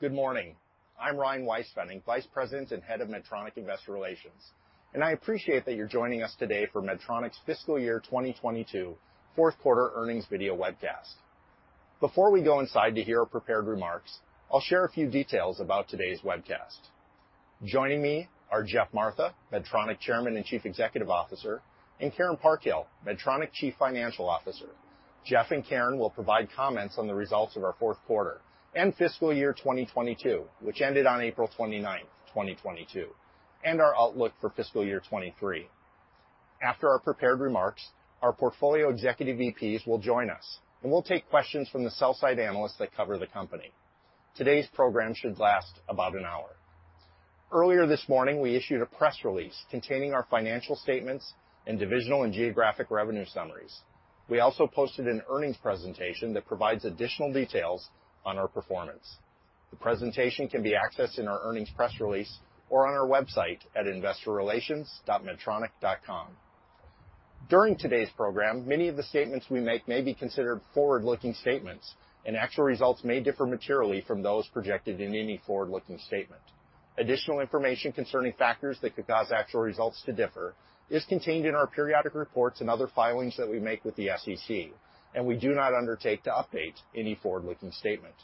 Good morning. I'm Ryan Weispfenning, Vice President and Head of Medtronic Investor Relations, and I appreciate that you're joining us today for Medtronic's fiscal year 2022 fourth quarter earnings video webcast. Before we go inside to hear our prepared remarks, I'll share a few details about today's webcast. Joining me are Geoff Martha, Medtronic Chairman and Chief Executive Officer, and Karen Parkhill, Medtronic Chief Financial Officer. Geoff and Karen will provide comments on the results of our fourth quarter and fiscal year 2022, which ended on April 29, 2022, and our outlook for fiscal year 2023. After our prepared remarks, our portfolio executive VPs will join us, and we'll take questions from the sell-side analysts that cover the company. Today's program should last about an hour. Earlier this morning, we issued a press release containing our financial statements and divisional and geographic revenue summaries. We also posted an earnings presentation that provides additional details on our performance. The presentation can be accessed in our earnings press release or on our website at investorrelations.medtronic.com. During today's program, many of the statements we make may be considered forward-looking statements, and actual results may differ materially from those projected in any forward-looking statement. Additional information concerning factors that could cause actual results to differ is contained in our periodic reports and other filings that we make with the SEC, and we do not undertake to update any forward-looking statement.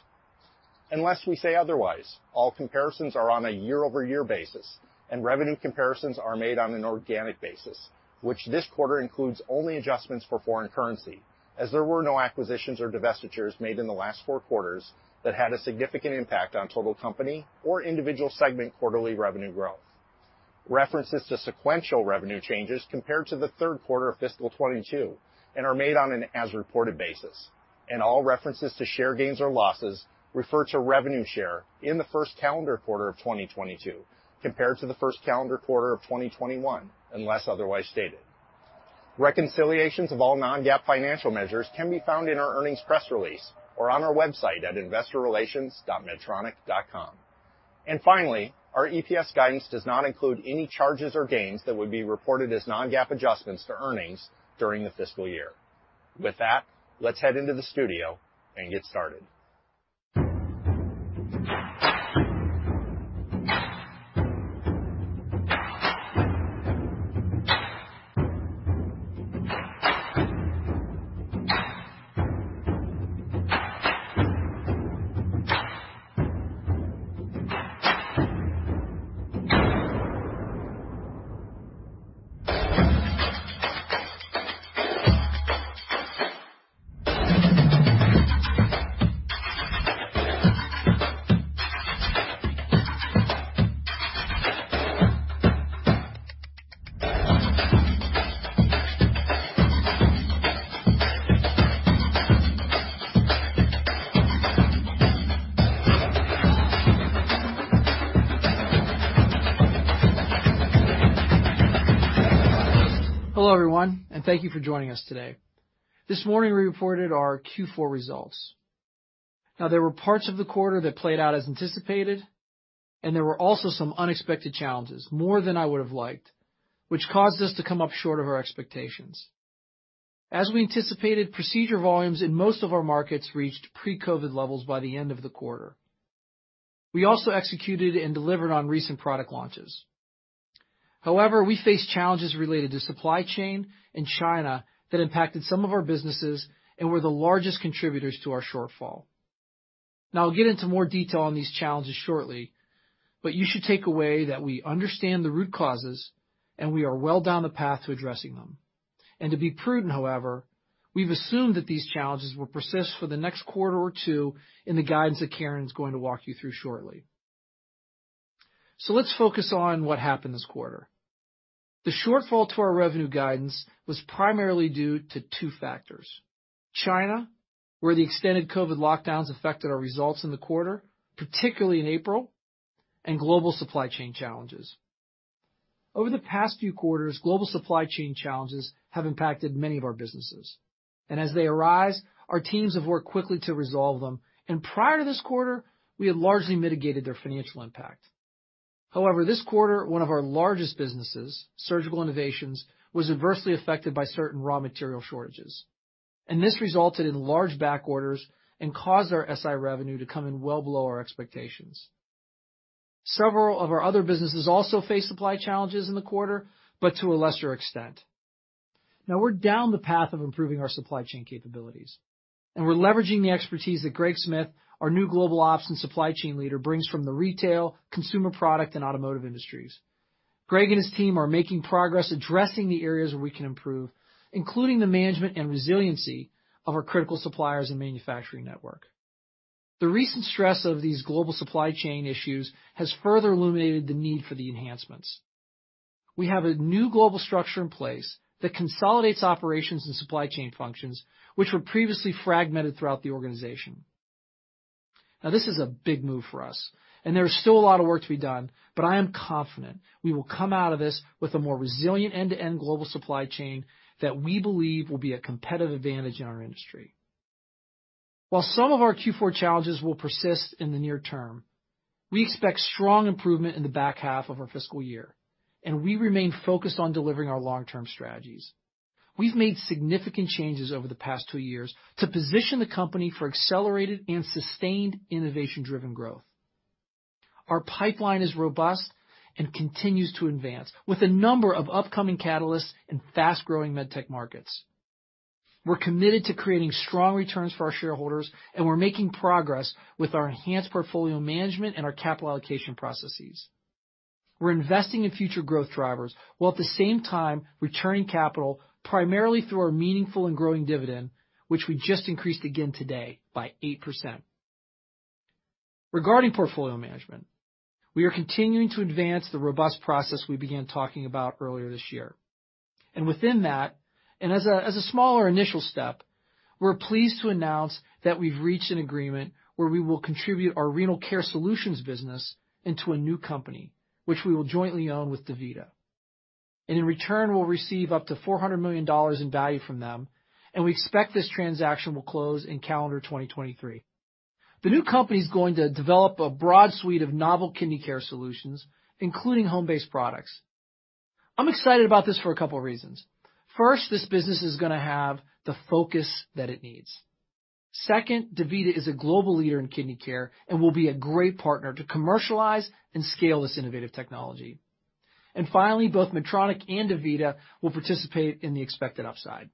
Unless we say otherwise, all comparisons are on a year-over-year basis, and revenue comparisons are made on an organic basis, which this quarter includes only adjustments for foreign currency, as there were no acquisitions or divestitures made in the last four quarters that had a significant impact on total company or individual segment quarterly revenue growth. References to sequential revenue changes compared to the third quarter of fiscal 2022 and are made on an as reported basis. All references to share gains or losses refer to revenue share in the first calendar quarter of 2022 compared to the first calendar quarter of 2021, unless otherwise stated. Reconciliations of all non-GAAP financial measures can be found in our earnings press release or on our website at investorrelations.medtronic.com. Finally, our EPS guidance does not include any charges or gains that would be reported as non-GAAP adjustments to earnings during the fiscal year. With that, let's head into the studio and get started. Hello, everyone, and thank you for joining us today. This morning, we reported our Q4 results. Now, there were parts of the quarter that played out as anticipated, and there were also some unexpected challenges, more than I would have liked, which caused us to come up short of our expectations. As we anticipated, procedure volumes in most of our markets reached pre-COVID levels by the end of the quarter. We also executed and delivered on recent product launches. However, we face challenges related to supply chain in China that impacted some of our businesses and were the largest contributors to our shortfall. Now, I'll get into more detail on these challenges shortly, but you should take away that we understand the root causes and we are well down the path to addressing them. To be prudent, however, we've assumed that these challenges will persist for the next quarter or two in the guidance that Karen is going to walk you through shortly. Let's focus on what happened this quarter. The shortfall to our revenue guidance was primarily due to two factors. China, where the extended COVID lockdowns affected our results in the quarter, particularly in April, and global supply chain challenges. Over the past few quarters, global supply chain challenges have impacted many of our businesses. As they arise, our teams have worked quickly to resolve them. Prior to this quarter, we had largely mitigated their financial impact. However, this quarter, one of our largest businesses, Surgical Innovations, was adversely affected by certain raw material shortages, and this resulted in large back orders and caused our SI revenue to come in well below our expectations. Several of our other businesses also face supply challenges in the quarter, but to a lesser extent. Now we're down the path of improving our supply chain capabilities, and we're leveraging the expertise that Greg Smith, our new global ops and supply chain leader, brings from the retail, consumer product, and automotive industries. Greg and his team are making progress addressing the areas where we can improve, including the management and resiliency of our critical suppliers and manufacturing network. The recent stress of these global supply chain issues has further illuminated the need for the enhancements. We have a new global structure in place that consolidates operations and supply chain functions which were previously fragmented throughout the organization. Now, this is a big move for us, and there is still a lot of work to be done, but I am confident we will come out of this with a more resilient end-to-end global supply chain that we believe will be a competitive advantage in our industry. While some of our Q4 challenges will persist in the near term, we expect strong improvement in the back half of our fiscal year, and we remain focused on delivering our long-term strategies. We've made significant changes over the past two years to position the company for accelerated and sustained innovation-driven growth. Our pipeline is robust and continues to advance with a number of upcoming catalysts in fast-growing med tech markets. We're committed to creating strong returns for our shareholders, and we're making progress with our enhanced portfolio management and our capital allocation processes. We're investing in future growth drivers while at the same time returning capital primarily through our meaningful and growing dividend, which we just increased again today by 8%. Regarding portfolio management, we are continuing to advance the robust process we began talking about earlier this year. Within that, and as a smaller initial step, we're pleased to announce that we've reached an agreement where we will contribute our Renal Care Solutions business into a new company, which we will jointly own with DaVita. In return, we'll receive up to $400 million in value from them, and we expect this transaction will close in calendar 2023. The new company is going to develop a broad suite of novel kidney care solutions, including home-based products. I'm excited about this for a couple of reasons. First, this business is gonna have the focus that it needs. Second, DaVita is a global leader in kidney care and will be a great partner to commercialize and scale this innovative technology. Finally, both Medtronic and DaVita will participate in the expected upside.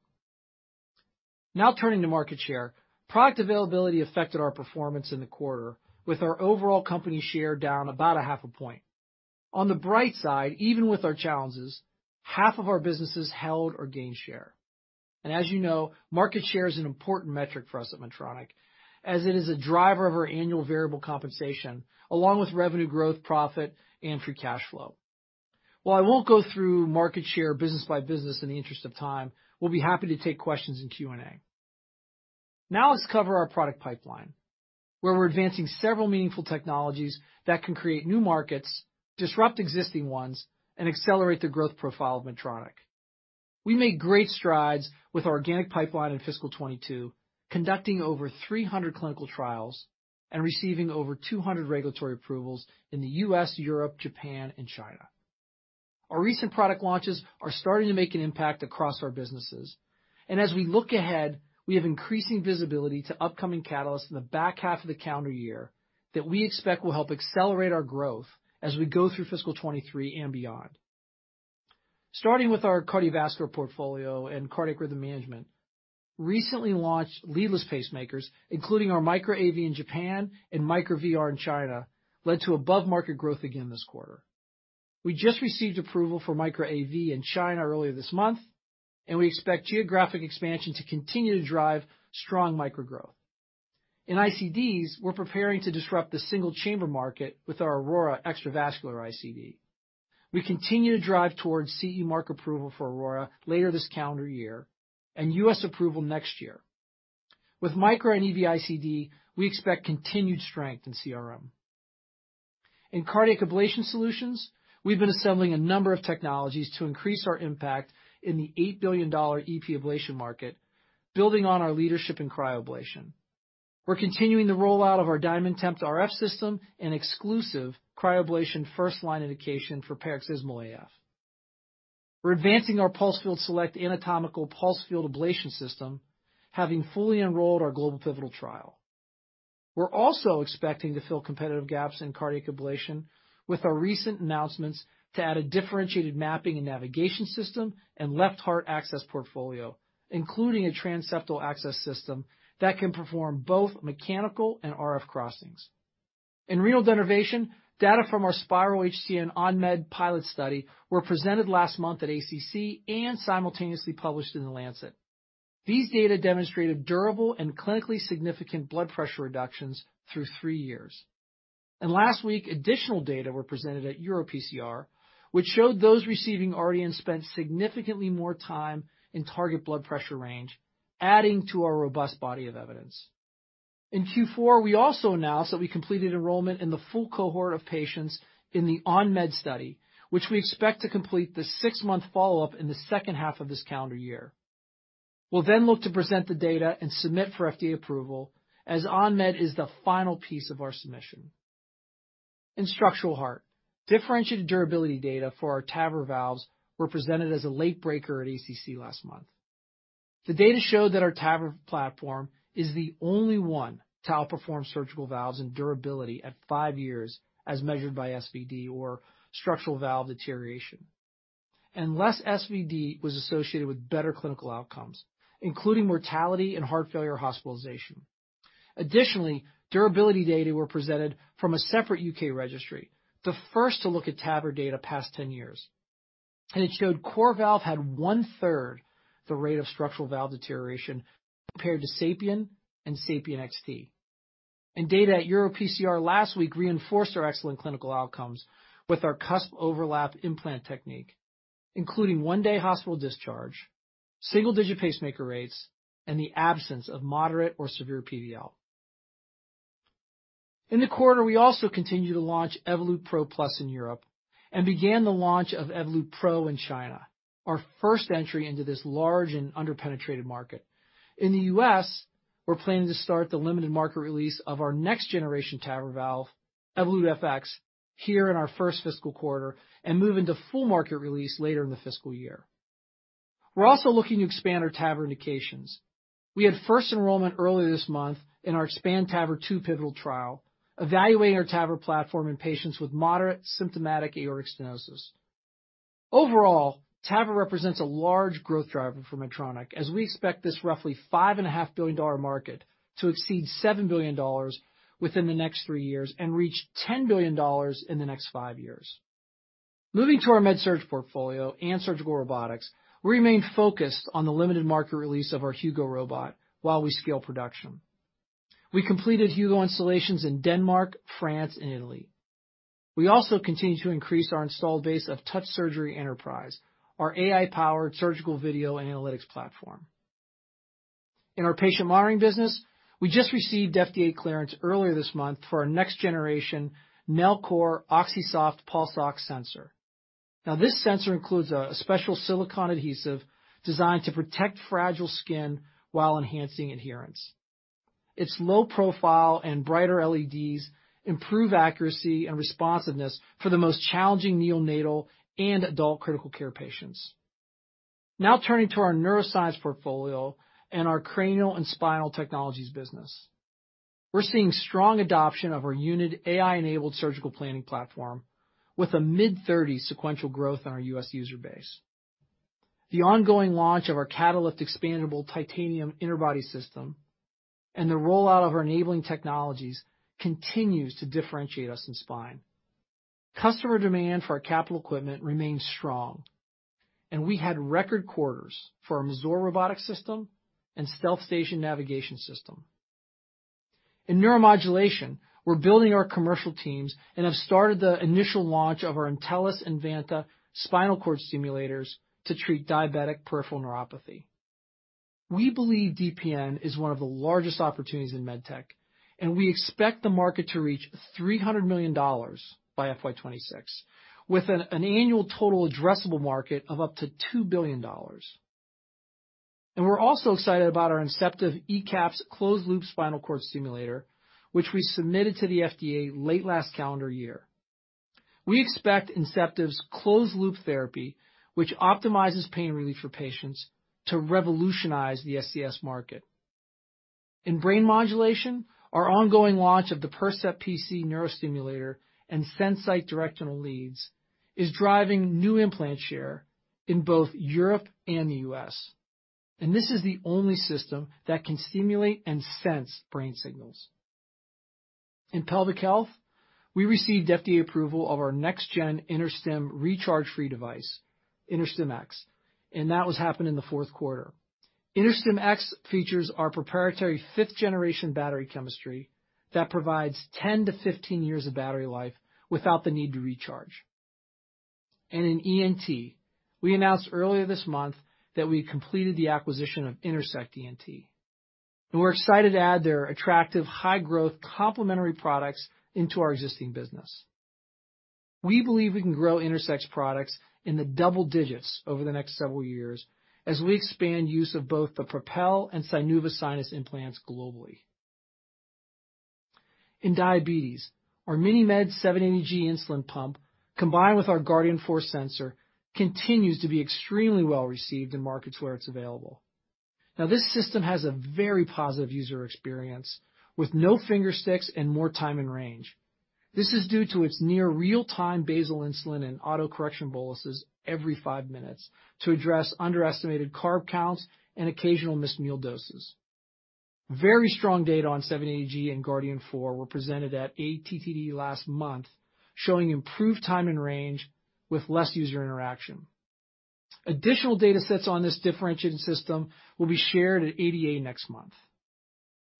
Now turning to market share. Product availability affected our performance in the quarter with our overall company share down about a half a point. On the bright side, even with our challenges, half of our businesses held or gained share. As you know, market share is an important metric for us at Medtronic, as it is a driver of our annual variable compensation, along with revenue growth, profit, and free cash flow. While I won't go through market share business by business in the interest of time, we'll be happy to take questions in Q&A. Now let's cover our product pipeline, where we're advancing several meaningful technologies that can create new markets, disrupt existing ones, and accelerate the growth profile of Medtronic. We made great strides with our organic pipeline in fiscal 2022, conducting over 300 clinical trials and receiving over 200 regulatory approvals in the US, Europe, Japan, and China. Our recent product launches are starting to make an impact across our businesses. As we look ahead, we have increasing visibility to upcoming catalysts in the back half of the calendar year that we expect will help accelerate our growth as we go through fiscal 2023 and beyond. Starting with our cardiovascular portfolio and cardiac rhythm management, recently launched leadless pacemakers, including our Micra AV in Japan and Micra VR in China, led to above-market growth again this quarter. We just received approval for Micra AV in China earlier this month, and we expect geographic expansion to continue to drive strong Micra growth. In ICDs, we're preparing to disrupt the single-chamber market with our Aurora extravascular ICD. We continue to drive towards CE Mark approval for Aurora later this calendar year and U.S. approval next year. With Micra and EV-ICD, we expect continued strength in CRM. In cardiac ablation solutions, we've been assembling a number of technologies to increase our impact in the $8 billion EP ablation market, building on our leadership in cryoablation. We're continuing the rollout of our DiamondTemp RF system and exclusive cryoablation first-line indication for paroxysmal AF. We're advancing our PulseSelect anatomical pulse field ablation system, having fully enrolled our global pivotal trial. We're also expecting to fill competitive gaps in cardiac ablation with our recent announcements to add a differentiated mapping and navigation system and left heart access portfolio, including a transseptal access system that can perform both mechanical and RF crossings. In renal denervation, data from our SPYRAL HTN-OFF MED and SPYRAL HTN-ON MED pilot study were presented last month at ACC and simultaneously published in The Lancet. These data demonstrated durable and clinically significant blood pressure reductions through three years. Last week, additional data were presented at EuroPCR, which showed those receiving RDN spent significantly more time in target blood pressure range, adding to our robust body of evidence. In Q4, we also announced that we completed enrollment in the full cohort of patients in the SPYRAL HTN-ON MED study, which we expect to complete the six-month follow-up in the second half of this calendar year. We'll then look to present the data and submit for FDA approval as On-Med is the final piece of our submission. In structural heart, differentiated durability data for our TAVR valves were presented as a late breaker at ACC last month. The data show that our TAVR platform is the only one to outperform surgical valves and durability at five years as measured by SVD or structural valve deterioration. Less SVD was associated with better clinical outcomes, including mortality and heart failure hospitalization. Additionally, durability data were presented from a separate U.K. registry, the first to look at TAVR data past 10 years. It showed CoreValve had one-third the rate of structural valve deterioration compared to SAPIEN and SAPIEN XT. Data at EuroPCR last week reinforced our excellent clinical outcomes with our cusp overlap implant technique, including one-day hospital discharge, single-digit pacemaker rates, and the absence of moderate or severe PVL. In the quarter, we also continued to launch Evolut PRO+ in Europe and began the launch of Evolut PRO in China, our first entry into this large and underpenetrated market. In the U.S., we're planning to start the limited market release of our next generation TAVR valve, Evolut FX, here in our first fiscal quarter and move into full market release later in the fiscal year. We're also looking to expand our TAVR indications. We had first enrollment earlier this month in our EXPAND TAVR II pivotal trial, evaluating our TAVR platform in patients with moderate symptomatic aortic stenosis. Overall, TAVR represents a large growth driver for Medtronic as we expect this roughly $5.5 billion market to exceed $7 billion within the next three years and reach $10 billion in the next five years. Moving to our Medical Surgical Portfolio and surgical robotics, we remain focused on the limited market release of our Hugo robot while we scale production. We completed Hugo installations in Denmark, France, and Italy. We also continue to increase our installed base of Touch Surgery Enterprise, our AI-powered surgical video and analytics platform. In our patient monitoring business, we just received FDA clearance earlier this month for our next-generation Nellcor OxySoft pulse ox sensor. Now this sensor includes a special silicone adhesive designed to protect fragile skin while enhancing adherence. Its low profile and brighter LEDs improve accuracy and responsiveness for the most challenging neonatal and adult critical care patients. Now turning to our neuroscience portfolio and our cranial and spinal technologies business. We're seeing strong adoption of our UNiD AI-enabled surgical planning platform with a mid-thirties sequential growth in our U.S. user base. The ongoing launch of our Catalyft expandable titanium interbody system and the rollout of our enabling technologies continues to differentiate us in spine. Customer demand for our capital equipment remains strong, and we had record quarters for our Mazor robotic system and StealthStation navigation system. In neuromodulation, we're building our commercial teams and have started the initial launch of our Intellis Inceptiv spinal cord stimulators to treat diabetic peripheral neuropathy. We believe DPN is one of the largest opportunities in med tech, and we expect the market to reach $300 million by FY 2026, with an annual total addressable market of up to $2 billion. We're also excited about our Inceptiv ECAP closed-loop spinal cord stimulator, which we submitted to the FDA late last calendar year. We expect Inceptiv's closed-loop therapy, which optimizes pain relief for patients, to revolutionize the SCS market. In brain modulation, our ongoing launch of the Percept PC neurostimulator and SenSight directional leads is driving new implant share in both Europe and the US. This is the only system that can stimulate and sense brain signals. In pelvic health, we received FDA approval of our next-gen InterStim recharge-free device, InterStim X, and that was happening in the fourth quarter. InterStim X features our proprietary fifth generation battery chemistry that provides 10-15 years of battery life without the need to recharge. In ENT, we announced earlier this month that we had completed the acquisition of Intersect ENT, and we're excited to add their attractive high growth complementary products into our existing business. We believe we can grow Intersect's products in the double digits over the next several years as we expand use of both the PROPEL and SINUVA sinus implants globally. In diabetes, our MiniMed 780G insulin pump, combined with our Guardian 4 sensor, continues to be extremely well received in markets where it's available. Now this system has a very positive user experience with no finger sticks and more time in range. This is due to its near real-time basal insulin and auto correction boluses every five minutes to address underestimated carb counts and occasional missed meal doses. Very strong data on 780G and Guardian 4 were presented at ATTD last month, showing improved time and range with less user interaction. Additional data sets on this differentiated system will be shared at ADA next month.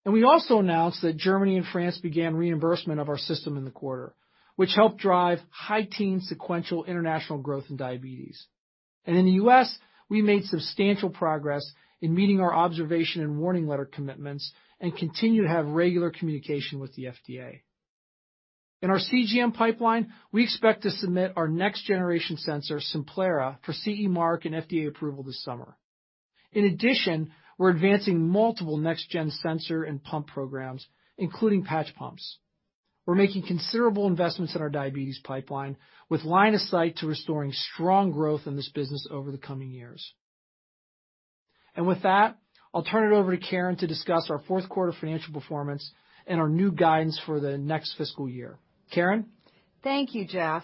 We also announced that Germany and France began reimbursement of our system in the quarter, which helped drive high-teens sequential international growth in diabetes. In the U.S., we made substantial progress in meeting our observation and warning letter commitments and continue to have regular communication with the FDA. In our CGM pipeline, we expect to submit our next generation sensor, Simplera, for CE mark and FDA approval this summer. In addition, we're advancing multiple next-gen sensor and pump programs, including patch pumps. We're making considerable investments in our diabetes pipeline with line of sight to restoring strong growth in this business over the coming years. With that, I'll turn it over to Karen to discuss our fourth quarter financial performance and our new guidance for the next fiscal year. Karen? Thank you, Jeff.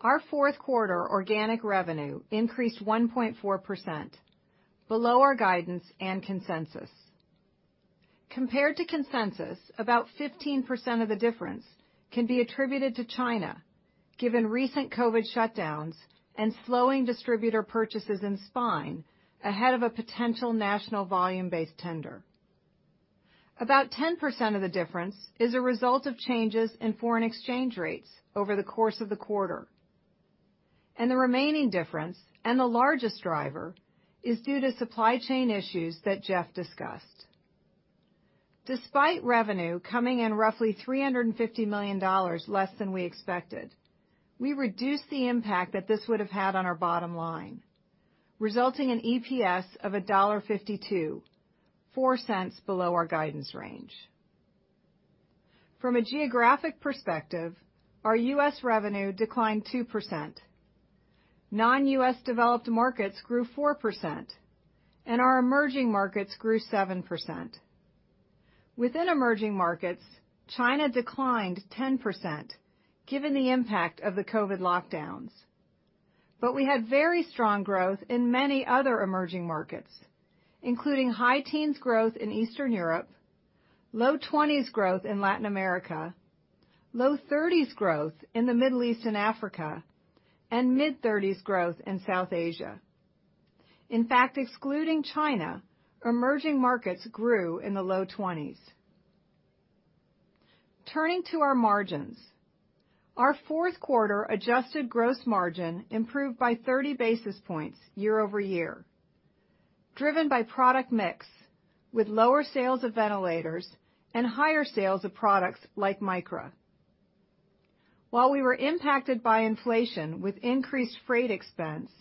Our fourth quarter organic revenue increased 1.4%, below our guidance and consensus. Compared to consensus, about 15% of the difference can be attributed to China, given recent COVID shutdowns and slowing distributor purchases in spine ahead of a potential national volume-based tender. About 10% of the difference is a result of changes in foreign exchange rates over the course of the quarter. The remaining difference, and the largest driver, is due to supply chain issues that Jeff discussed. Despite revenue coming in roughly $350 million less than we expected, we reduced the impact that this would have had on our bottom line. Resulting in EPS of $1.52, four cents below our guidance range. From a geographic perspective, our U.S. revenue declined 2%. Non-U.S. developed markets grew 4%, and our emerging markets grew 7%. Within emerging markets, China declined 10%, given the impact of the COVID lockdowns. We had very strong growth in many other emerging markets, including high teens growth in Eastern Europe, low twenties growth in Latin America, low thirties growth in the Middle East and Africa, and mid-thirties growth in South Asia. In fact, excluding China, emerging markets grew in the low twenties. Turning to our margins, our fourth quarter adjusted gross margin improved by 30 basis points year-over-year, driven by product mix, with lower sales of ventilators and higher sales of products like Micra. While we were impacted by inflation with increased freight expense,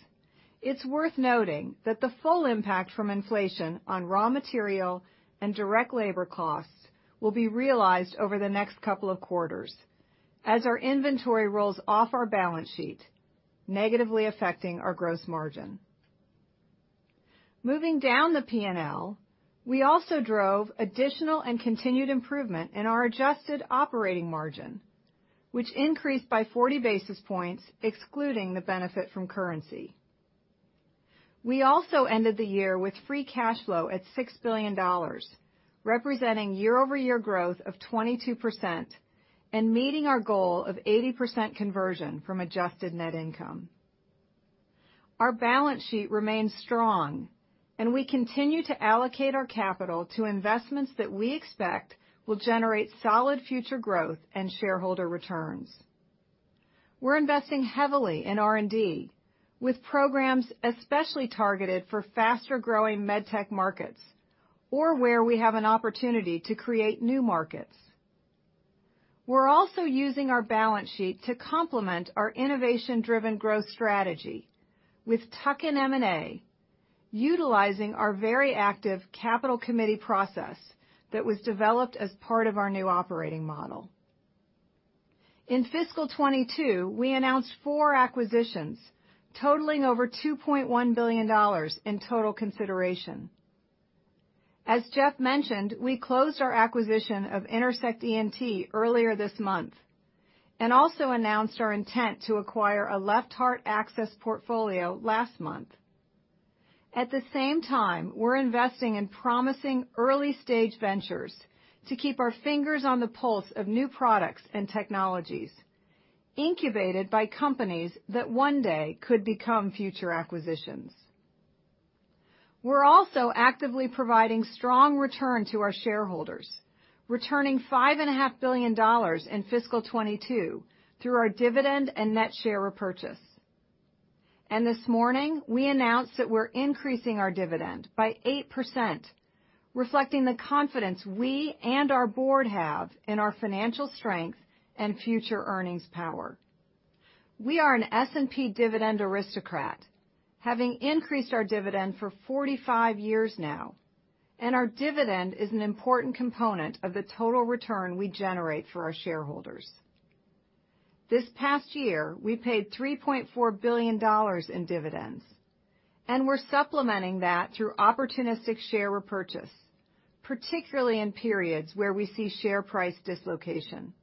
it's worth noting that the full impact from inflation on raw material and direct labor costs will be realized over the next couple of quarters as our inventory rolls off our balance sheet, negatively affecting our gross margin. Moving down the P&L, we also drove additional and continued improvement in our adjusted operating margin, which increased by 40 basis points excluding the benefit from currency. We also ended the year with free cash flow at $6 billion, representing year-over-year growth of 22% and meeting our goal of 80% conversion from adjusted net income. Our balance sheet remains strong and we continue to allocate our capital to investments that we expect will generate solid future growth and shareholder returns. We're investing heavily in R&D, with programs especially targeted for faster-growing med tech markets or where we have an opportunity to create new markets. We're also using our balance sheet to complement our innovation-driven growth strategy with tuck-in M&A, utilizing our very active capital committee process that was developed as part of our new operating model. In fiscal 2022, we announced four acquisitions totaling over $2.1 billion in total consideration. As Jeff mentioned, we closed our acquisition of Intersect ENT earlier this month and also announced our intent to acquire a left heart access portfolio last month. At the same time, we're investing in promising early-stage ventures to keep our fingers on the pulse of new products and technologies incubated by companies that one day could become future acquisitions. We're also actively providing strong return to our shareholders, returning $5.5 billion in fiscal 2022 through our dividend and net share repurchase. This morning, we announced that we're increasing our dividend by 8%, reflecting the confidence we and our board have in our financial strength and future earnings power. We are an S&P dividend aristocrat, having increased our dividend for 45 years now, and our dividend is an important component of the total return we generate for our shareholders. This past year, we paid $3.4 billion in dividends, and we're supplementing that through opportunistic share repurchase, particularly in periods where we see share price dislocation.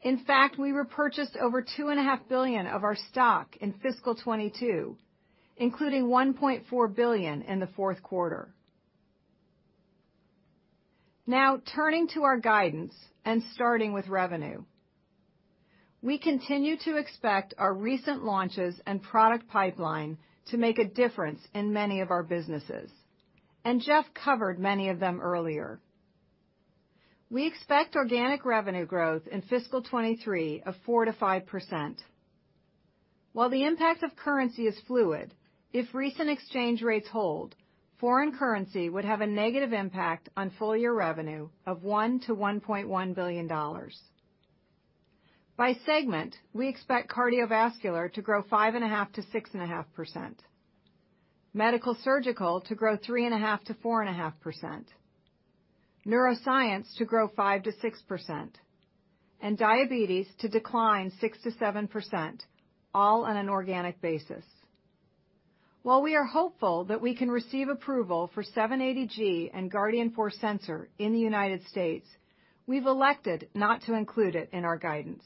In fact, we repurchased over $2.5 billion of our stock in fiscal 2022, including $1.4 billion in the fourth quarter. Now, turning to our guidance and starting with revenue. We continue to expect our recent launches and product pipeline to make a difference in many of our businesses, and Jeff covered many of them earlier. We expect organic revenue growth in fiscal 2023 of 4%-5%. While the impact of currency is fluid, if recent exchange rates hold, foreign currency would have a negative impact on full year revenue of $1 billion-$1.1 billion. By segment, we expect Cardiovascular to grow 5.5%-6.5%, Medical Surgical to grow 3.5%-4.5%, Neuroscience to grow 5%-6%, and Diabetes to decline 6%-7%, all on an organic basis. While we are hopeful that we can receive approval for 780G and Guardian four sensor in the United States, we've elected not to include it in our guidance.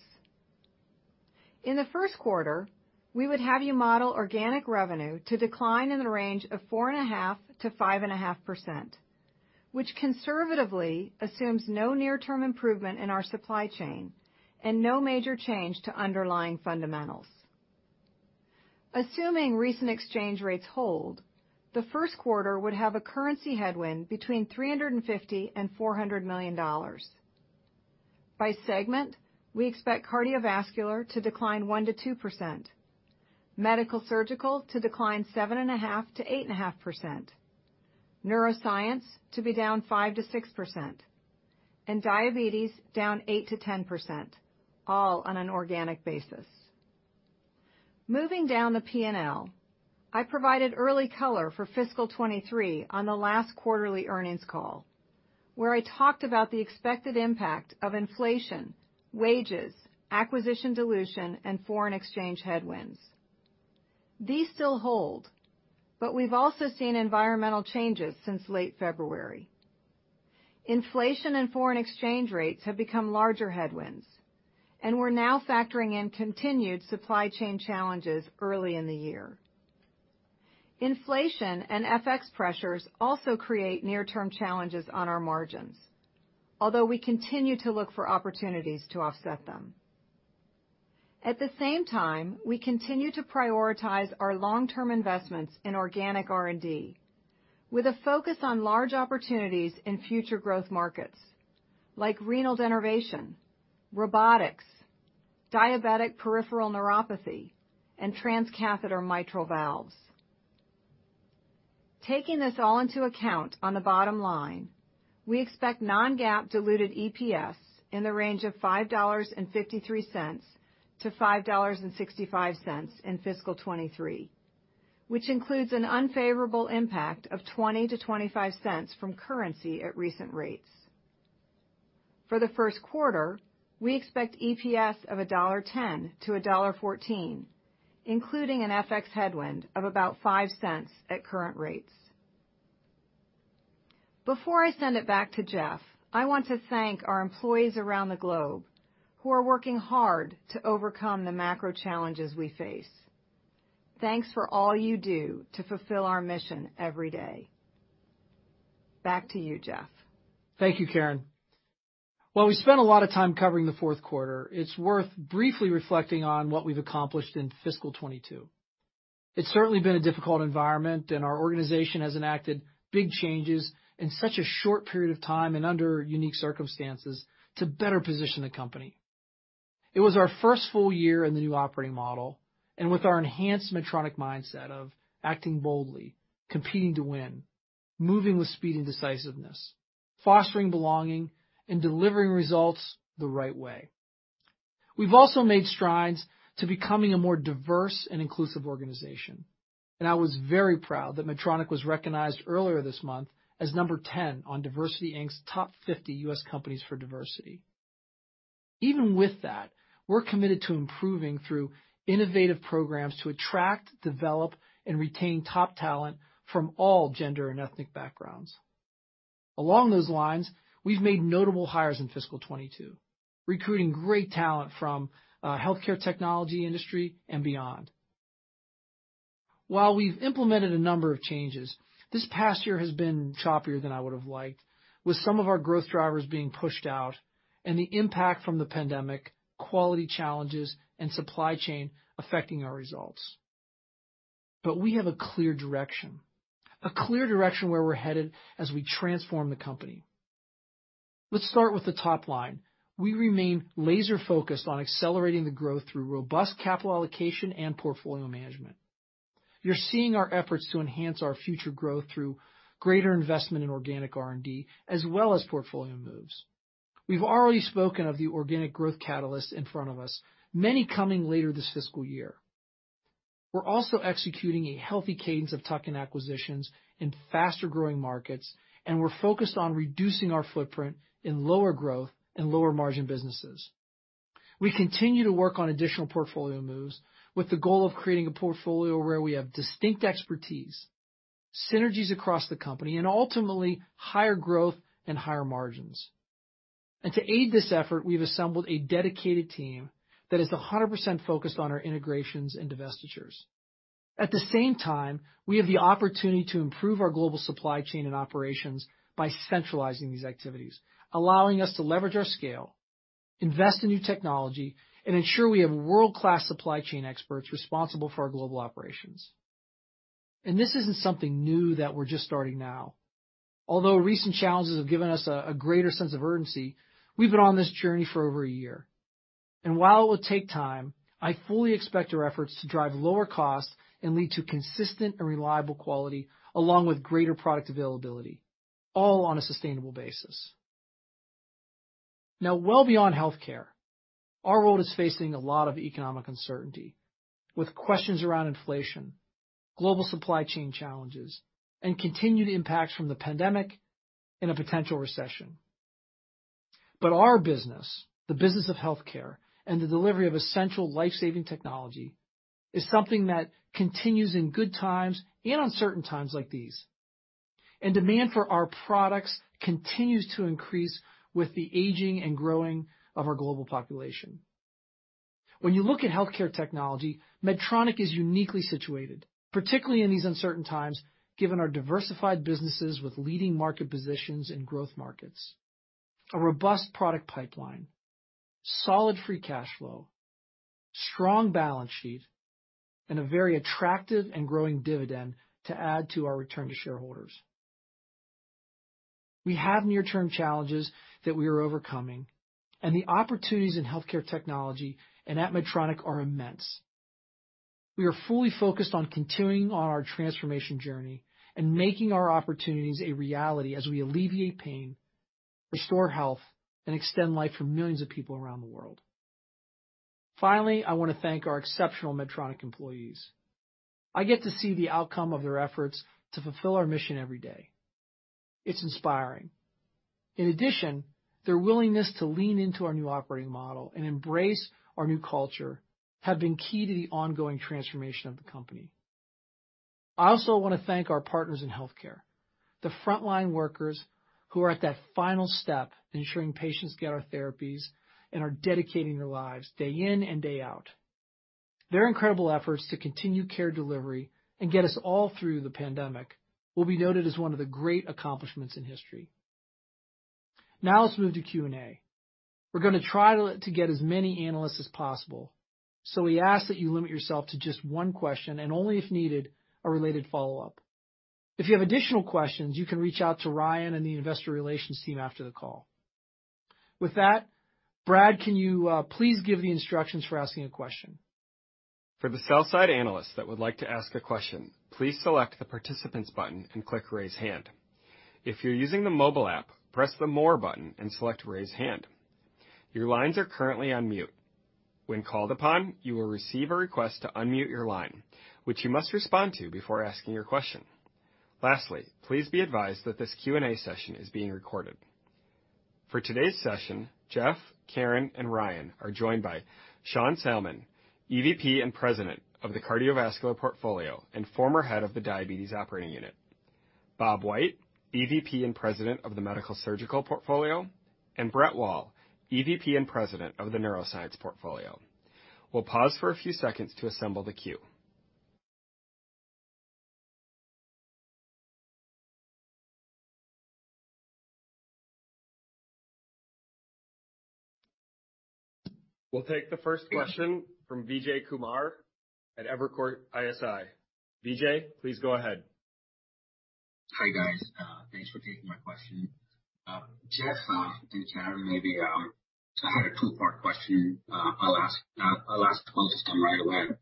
In the first quarter, we would have you model organic revenue to decline in the range of 4.5%-5.5%, which conservatively assumes no near-term improvement in our supply chain and no major change to underlying fundamentals. Assuming recent exchange rates hold, the first quarter would have a currency headwind between $350-$400 million. By segment, we expect Cardiovascular to decline 1%-2%, Medical Surgical to decline 7.5%-8.5%, Neuroscience to be down 5%-6%, and Diabetes down 8%-10%, all on an organic basis. Moving down the P&L, I provided early color for fiscal 2023 on the last quarterly earnings call, where I talked about the expected impact of inflation, wages, acquisition dilution, and foreign exchange headwinds. These still hold, but we've also seen environmental changes since late February. Inflation and foreign exchange rates have become larger headwinds, and we're now factoring in continued supply chain challenges early in the year. Inflation and FX pressures also create near-term challenges on our margins, although we continue to look for opportunities to offset them. At the same time, we continue to prioritize our long-term investments in organic R&D with a focus on large opportunities in future growth markets like renal denervation, robotics, diabetic peripheral neuropathy, and transcatheter mitral valves. Taking this all into account on the bottom line, we expect non-GAAP diluted EPS in the range of $5.53-$5.65 in fiscal 2023, which includes an unfavorable impact of $0.20-$0.25 from currency at recent rates. For the first quarter, we expect EPS of $1.10-$1.14, including an FX headwind of about $0.05 at current rates. Before I send it back to Geoff, I want to thank our employees around the globe who are working hard to overcome the macro challenges we face. Thanks for all you do to fulfill our mission every day. Back to you, Geoff. Thank you, Karen. While we spent a lot of time covering the fourth quarter, it's worth briefly reflecting on what we've accomplished in fiscal 2022. It's certainly been a difficult environment, and our organization has enacted big changes in such a short period of time and under unique circumstances to better position the company. It was our first full year in the new operating model, and with our enhanced Medtronic mindset of acting boldly, competing to win, moving with speed and decisiveness, fostering belonging, and delivering results the right way. We've also made strides to becoming a more diverse and inclusive organization, and I was very proud that Medtronic was recognized earlier this month as number 10 on DiversityInc's Top 50 U.S. Companies for Diversity. Even with that, we're committed to improving through innovative programs to attract, develop, and retain top talent from all gender and ethnic backgrounds. Along those lines, we've made notable hires in fiscal 2022, recruiting great talent from healthcare technology industry and beyond. While we've implemented a number of changes, this past year has been choppier than I would have liked, with some of our growth drivers being pushed out and the impact from the pandemic, quality challenges, and supply chain affecting our results. We have a clear direction where we're headed as we transform the company. Let's start with the top line. We remain laser-focused on accelerating the growth through robust capital allocation and portfolio management. You're seeing our efforts to enhance our future growth through greater investment in organic R&D as well as portfolio moves. We've already spoken of the organic growth catalysts in front of us, many coming later this fiscal year. We're also executing a healthy cadence of tuck-in acquisitions in faster-growing markets, and we're focused on reducing our footprint in lower growth and lower margin businesses. We continue to work on additional portfolio moves with the goal of creating a portfolio where we have distinct expertise, synergies across the company, and ultimately, higher growth and higher margins. To aid this effort, we've assembled a dedicated team that is 100% focused on our integrations and divestitures. At the same time, we have the opportunity to improve our global supply chain and operations by centralizing these activities, allowing us to leverage our scale, invest in new technology, and ensure we have world-class supply chain experts responsible for our global operations. This isn't something new that we're just starting now. Although recent challenges have given us a greater sense of urgency, we've been on this journey for over a year. While it will take time, I fully expect our efforts to drive lower costs and lead to consistent and reliable quality, along with greater product availability, all on a sustainable basis. Now, well beyond healthcare, our world is facing a lot of economic uncertainty, with questions around inflation, global supply chain challenges, and continued impacts from the pandemic in a potential recession. Our business, the business of healthcare, and the delivery of essential life-saving technology, is something that continues in good times and uncertain times like these. Demand for our products continues to increase with the aging and growing of our global population. When you look at healthcare technology, Medtronic is uniquely situated, particularly in these uncertain times, given our diversified businesses with leading market positions in growth markets, a robust product pipeline, solid free cash flow, strong balance sheet, and a very attractive and growing dividend to add to our return to shareholders. We have near-term challenges that we are overcoming, and the opportunities in healthcare technology and at Medtronic are immense. We are fully focused on continuing on our transformation journey and making our opportunities a reality as we alleviate pain, restore health, and extend life for millions of people around the world. Finally, I wanna thank our exceptional Medtronic employees. I get to see the outcome of their efforts to fulfill our mission every day. It's inspiring. In addition, their willingness to lean into our new operating model and embrace our new culture have been key to the ongoing transformation of the company. I also wanna thank our partners in healthcare, the frontline workers who are at that final step ensuring patients get our therapies and are dedicating their lives day in and day out. Their incredible efforts to continue care delivery and get us all through the pandemic will be noted as one of the great accomplishments in history. Now let's move to Q&A. We're gonna try to get as many analysts as possible. So we ask that you limit yourself to just one question and only if needed, a related follow-up. If you have additional questions, you can reach out to Ryan and the investor relations team after the call. With that, Brad, can you please give the instructions for asking a question? For the sell-side analysts that would like to ask a question, please select the Participants button and click Raise Hand. If you're using the mobile app, press the More button and select Raise Hand. Your lines are currently on mute. When called upon, you will receive a request to unmute your line, which you must respond to before asking your question. Lastly, please be advised that this Q&A session is being recorded. For today's session, Jeff, Karen, and Ryan are joined by Sean Salmon, EVP and President of the Cardiovascular Portfolio and former head of the diabetes operating unit. Bob White, EVP and President of the Medical Surgical Portfolio. And Brett Wall, EVP and President of the Neuroscience Portfolio. We'll pause for a few seconds to assemble the queue. We'll take the first question from Vijay Kumar at Evercore ISI. Vijay, please go ahead. Hi, guys. Thanks for taking my question. Jeff, and Karen, maybe I had a two-part question. I'll ask the closest one right away.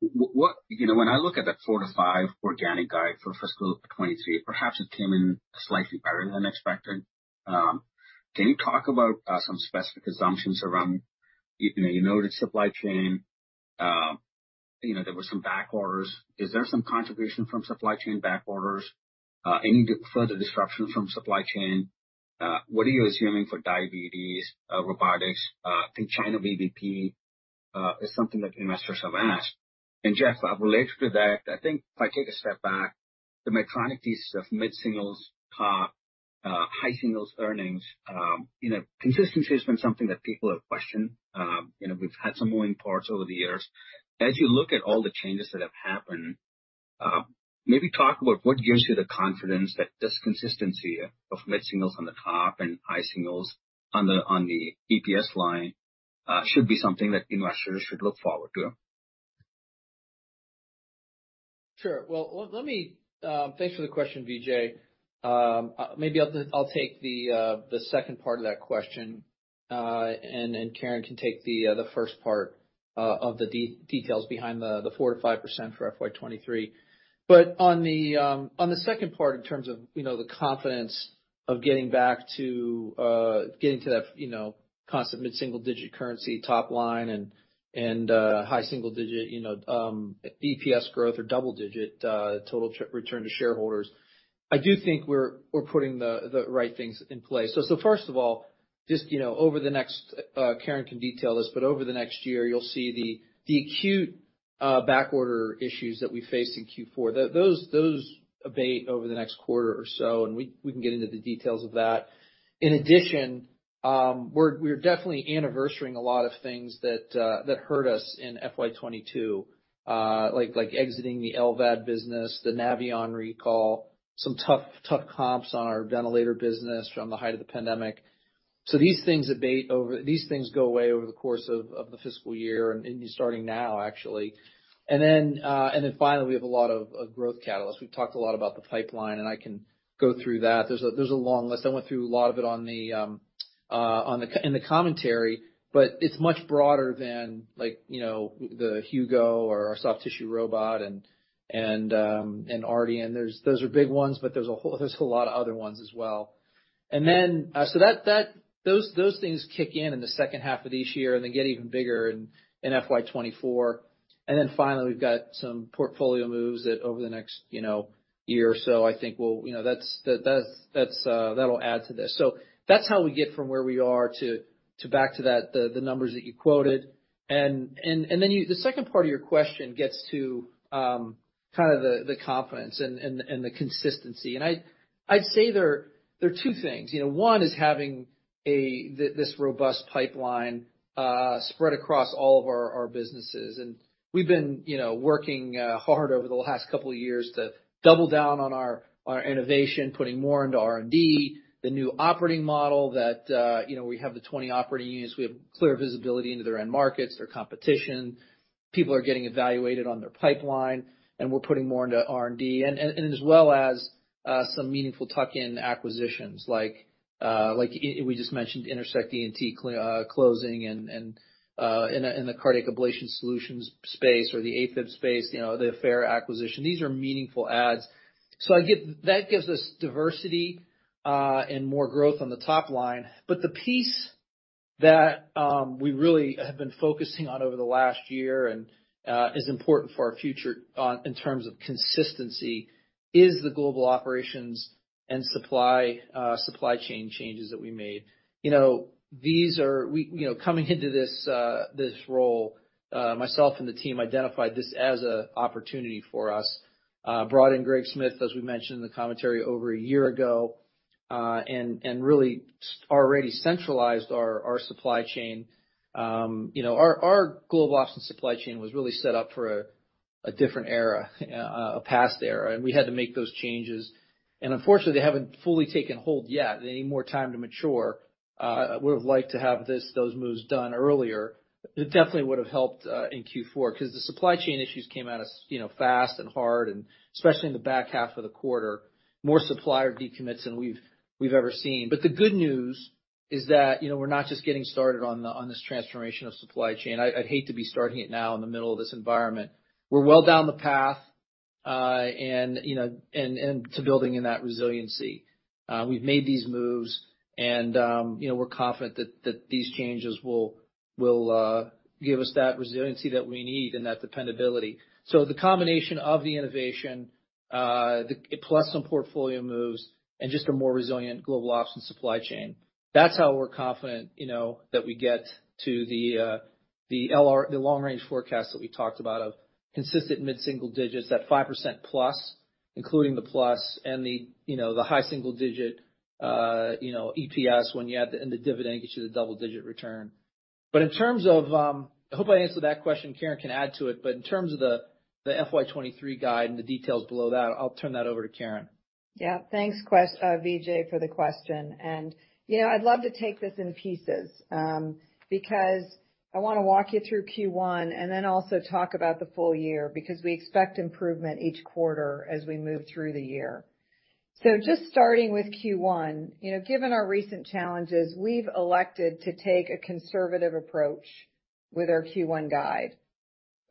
You know, when I look at that four-five organic guide for fiscal 2023, perhaps it came in slightly better than expected. Can you talk about some specific assumptions around, you know, you noted supply chain. You know, there were some backorders. Is there some contribution from supply chain backorders? Any further disruption from supply chain? What are you assuming for diabetes, robotics? I think China VBP is something that investors have asked. Jeff, related to that, I think if I take a step back, the Medtronic piece of mid-singles COG, high singles earnings, you know, consistency has been something that people have questioned. You know, we've had some moving parts over the years. As you look at all the changes that have happened, maybe talk about what gives you the confidence that this consistency of mid-singles on the top and high singles on the EPS line should be something that investors should look forward to. Sure. Well, let me. Thanks for the question, Vijay. Maybe I'll take the second part of that question, and Karen can take the first part of the details behind the 4%-5% for FY 2023. On the second part in terms of, you know, the confidence of getting back to getting to that, you know, constant mid-single digit currency top line and high single digit, you know, EPS growth or double digit total return to shareholders, I do think we're putting the right things in place. First of all, just, you know, over the next, Karen can detail this, but over the next year, you'll see the acute backorder issues that we faced in Q4. Those abate over the next quarter or so, and we can get into the details of that. In addition, we're definitely anniversarying a lot of things that hurt us in FY 2022, like exiting the LVAD business, the Navion recall, some tough comps on our ventilator business from the height of the pandemic. These things abate over the course of the fiscal year and starting now, actually. Finally, we have a lot of growth catalysts. We've talked a lot about the pipeline, and I can go through that. There's a long list. I went through a lot of it on the call in the commentary, but it's much broader than like, you know, the Hugo or our soft tissue robot and Ardian. Those are big ones, but there's a whole lot of other ones as well. Then those things kick in the second half of this year and they get even bigger in FY 2024. Then finally, we've got some portfolio moves that over the next, you know, year or so, I think we'll, you know, that'll add to this. So that's how we get from where we are to back to the numbers that you quoted. Then you. The second part of your question gets to the confidence and the consistency. I'd say there are two things. You know, one is having this robust pipeline spread across all of our businesses. We've been, you know, working hard over the last couple of years to double down on our innovation, putting more into R&D. The new operating model that, you know, we have the 20 operating units. We have clear visibility into their end markets, their competition. People are getting evaluated on their pipeline, and we're putting more into R&D and as well as some meaningful tuck-in acquisitions like we just mentioned Intersect ENT closing and in the cardiac ablation solutions space or the AFib space, you know, the Affera acquisition. These are meaningful adds. I get that gives us diversity, and more growth on the top line. The piece that we really have been focusing on over the last year and is important for our future in terms of consistency is the global operations and supply chain changes that we made. You know, we, you know, coming into this role, myself and the team identified this as a opportunity for us, brought in Greg Smith, as we mentioned in the commentary over a year ago, and really already centralized our supply chain. You know, our global ops and supply chain was really set up for a different era, a past era, and we had to make those changes. Unfortunately, they haven't fully taken hold yet. They need more time to mature. I would've liked to have this, those moves done earlier. It definitely would've helped in Q4 because the supply chain issues came at us, you know, fast and hard and especially in the back half of the quarter. More supplier decommits than we've ever seen. The good news is that, you know, we're not just getting started on this transformation of supply chain. I'd hate to be starting it now in the middle of this environment. We're well down the path, you know, to building in that resiliency. We've made these moves and, you know, we're confident that these changes will give us that resiliency that we need and that dependability. The combination of the innovation plus some portfolio moves and just a more resilient global ops and supply chain. That's how we're confident, you know, that we get to the LR, the long range forecast that we talked about of consistent mid-single digits, that 5% plus, including the plus and the, you know, the high single digit, you know, EPS when you add the, and the dividend gets you the double-digit return. In terms of I hope I answered that question. Karen can add to it. In terms of the FY 2023 guide and the details below that, I'll turn that over to Karen. Yeah. Thanks, Vijay, for the question. You know, I'd love to take this in pieces, because I wanna walk you through Q1 and then also talk about the full year, because we expect improvement each quarter as we move through the year. Just starting with Q1, you know, given our recent challenges, we've elected to take a conservative approach with our Q1 guide.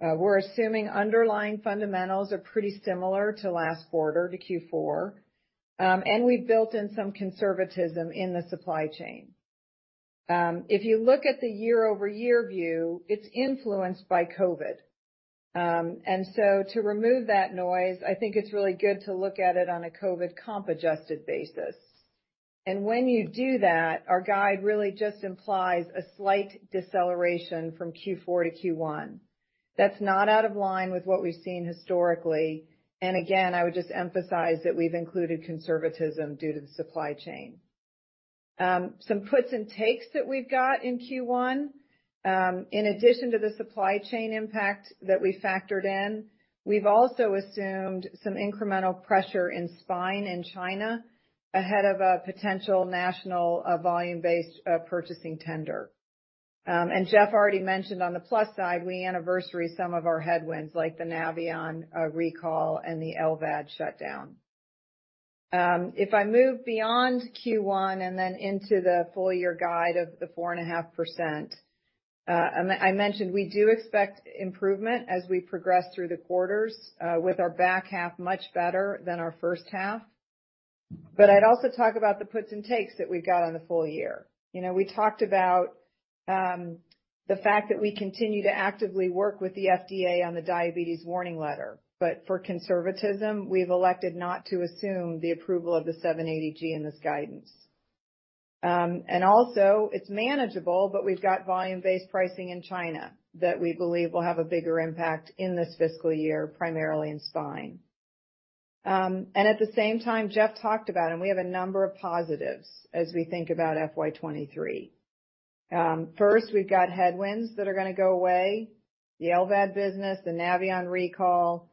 We're assuming underlying fundamentals are pretty similar to last quarter, to Q4. And we've built in some conservatism in the supply chain. If you look at the year-over-year view, it's influenced by COVID. To remove that noise, I think it's really good to look at it on a COVID comp adjusted basis. When you do that, our guide really just implies a slight deceleration from Q4 to Q1. That's not out of line with what we've seen historically. Again, I would just emphasize that we've included conservatism due to the supply chain. Some puts and takes that we've got in Q1, in addition to the supply chain impact that we factored in, we've also assumed some incremental pressure in spine and China ahead of a potential national volume-based purchasing tender. Jeff already mentioned on the plus side, we anniversary some of our headwinds, like the Navion recall, and the LVAD shutdown. If I move beyond Q1 and then into the full year guide of the 4.5%, I mentioned we do expect improvement as we progress through the quarters, with our back half much better than our first half. I'd also talk about the puts and takes that we've got on the full year. You know, we talked about the fact that we continue to actively work with the FDA on the diabetes warning letter, but for conservatism, we've elected not to assume the approval of the 780G in this guidance. It's manageable, but we've got volume-based pricing in China that we believe will have a bigger impact in this fiscal year, primarily in spine. At the same time, Jeff talked about and we have a number of positives as we think about FY 2023. First, we've got headwinds that are gonna go away, the LVAD business, the Navion recall,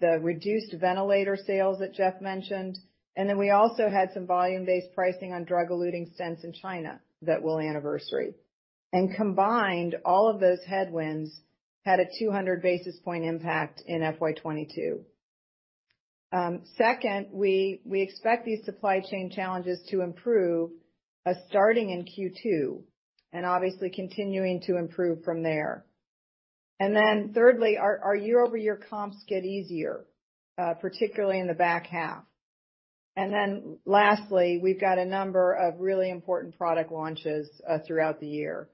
the reduced ventilator sales that Jeff mentioned, and then we also had some volume-based pricing on drug-eluting stents in China that will anniversary. Combined, all of those headwinds had a 200 basis point impact in FY22. Second, we expect these supply chain challenges to improve starting in Q2 and obviously continuing to improve from there. Thirdly, our year-over-year comps get easier, particularly in the back half. Lastly, we've got a number of really important product launches throughout the year.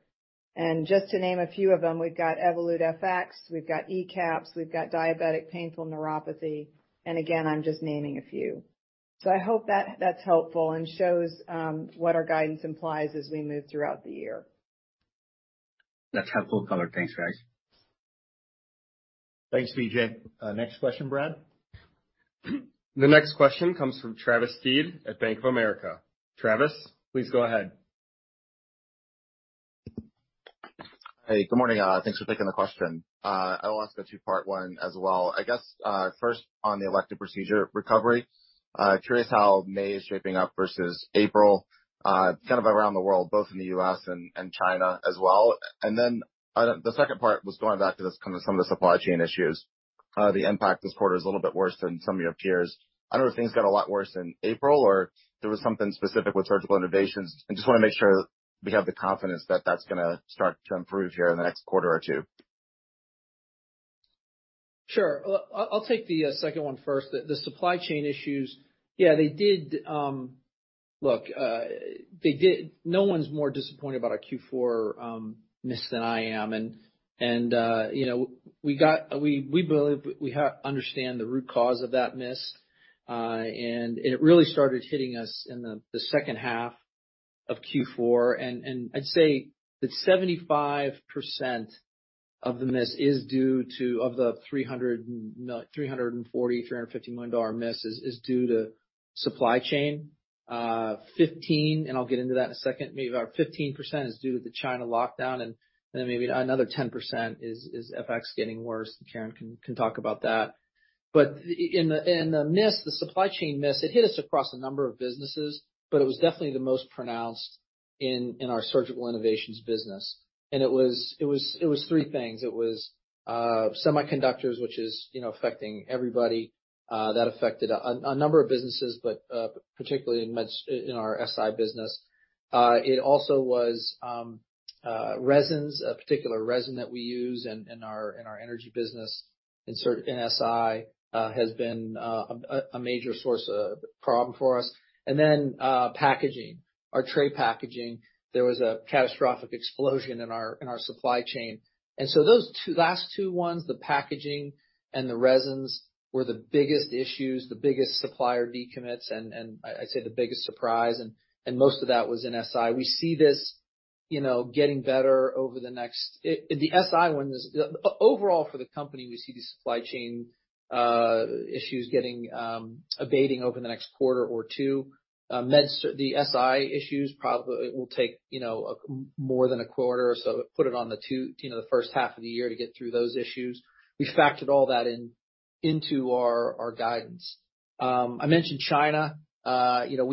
Just to name a few of them, we've got Evolut FX, we've got ECAP, we've got diabetic peripheral neuropathy. Again, I'm just naming a few. I hope that's helpful and shows what our guidance implies as we move throughout the year. That's helpful color. Thanks, guys. Thanks, Vijay. Next question, Brad. The next question comes from Travis Steed at Bank of America. Travis, please go ahead. Hey, good morning. Thanks for taking the question. I'll ask a two-part one as well. I guess, first on the elective procedure recovery. Curious how May is shaping up versus April, kind of around the world, both in the U.S. and China as well. Then, the second part was going back to just kinda some of the supply chain issues. The impact this quarter is a little bit worse than some of your peers. I don't know if things got a lot worse in April or there was something specific with Surgical Innovations. I just wanna make sure we have the confidence that that's gonna start to improve here in the next quarter or two. Sure. I'll take the second one first. The supply chain issues, yeah, they did. Look, they did. No one's more disappointed about our Q4 miss than I am, and you know, we believe we understand the root cause of that miss. It really started hitting us in the second half of Q4. I'd say that 75% of the $340-$350 million miss is due to supply chain. Fifteen, and I'll get into that in a second, maybe about 15% is due to the China lockdown, and then maybe another 10% is FX getting worse, and Karen can talk about that. In the supply chain miss, it hit us across a number of businesses, but it was definitely the most pronounced in our Surgical Innovations business. It was three things. It was semiconductors, which is, you know, affecting everybody. That affected a number of businesses, but particularly in our SI business. It also was resins, a particular resin that we use in our energy business in SI, has been a major source of problem for us. Packaging, our tray packaging. There was a catastrophic explosion in our supply chain. Those last two ones, the packaging and the resins, were the biggest issues, the biggest supplier decommits, and I'd say the biggest surprise, and most of that was in SI. We see this getting better over the next. Overall for the company, we see the supply chain issues getting abating over the next quarter or two. The SI issues probably will take more than a quarter or so. Put it on the two, the first half of the year to get through those issues. We factored all that into our guidance. I mentioned China. Remember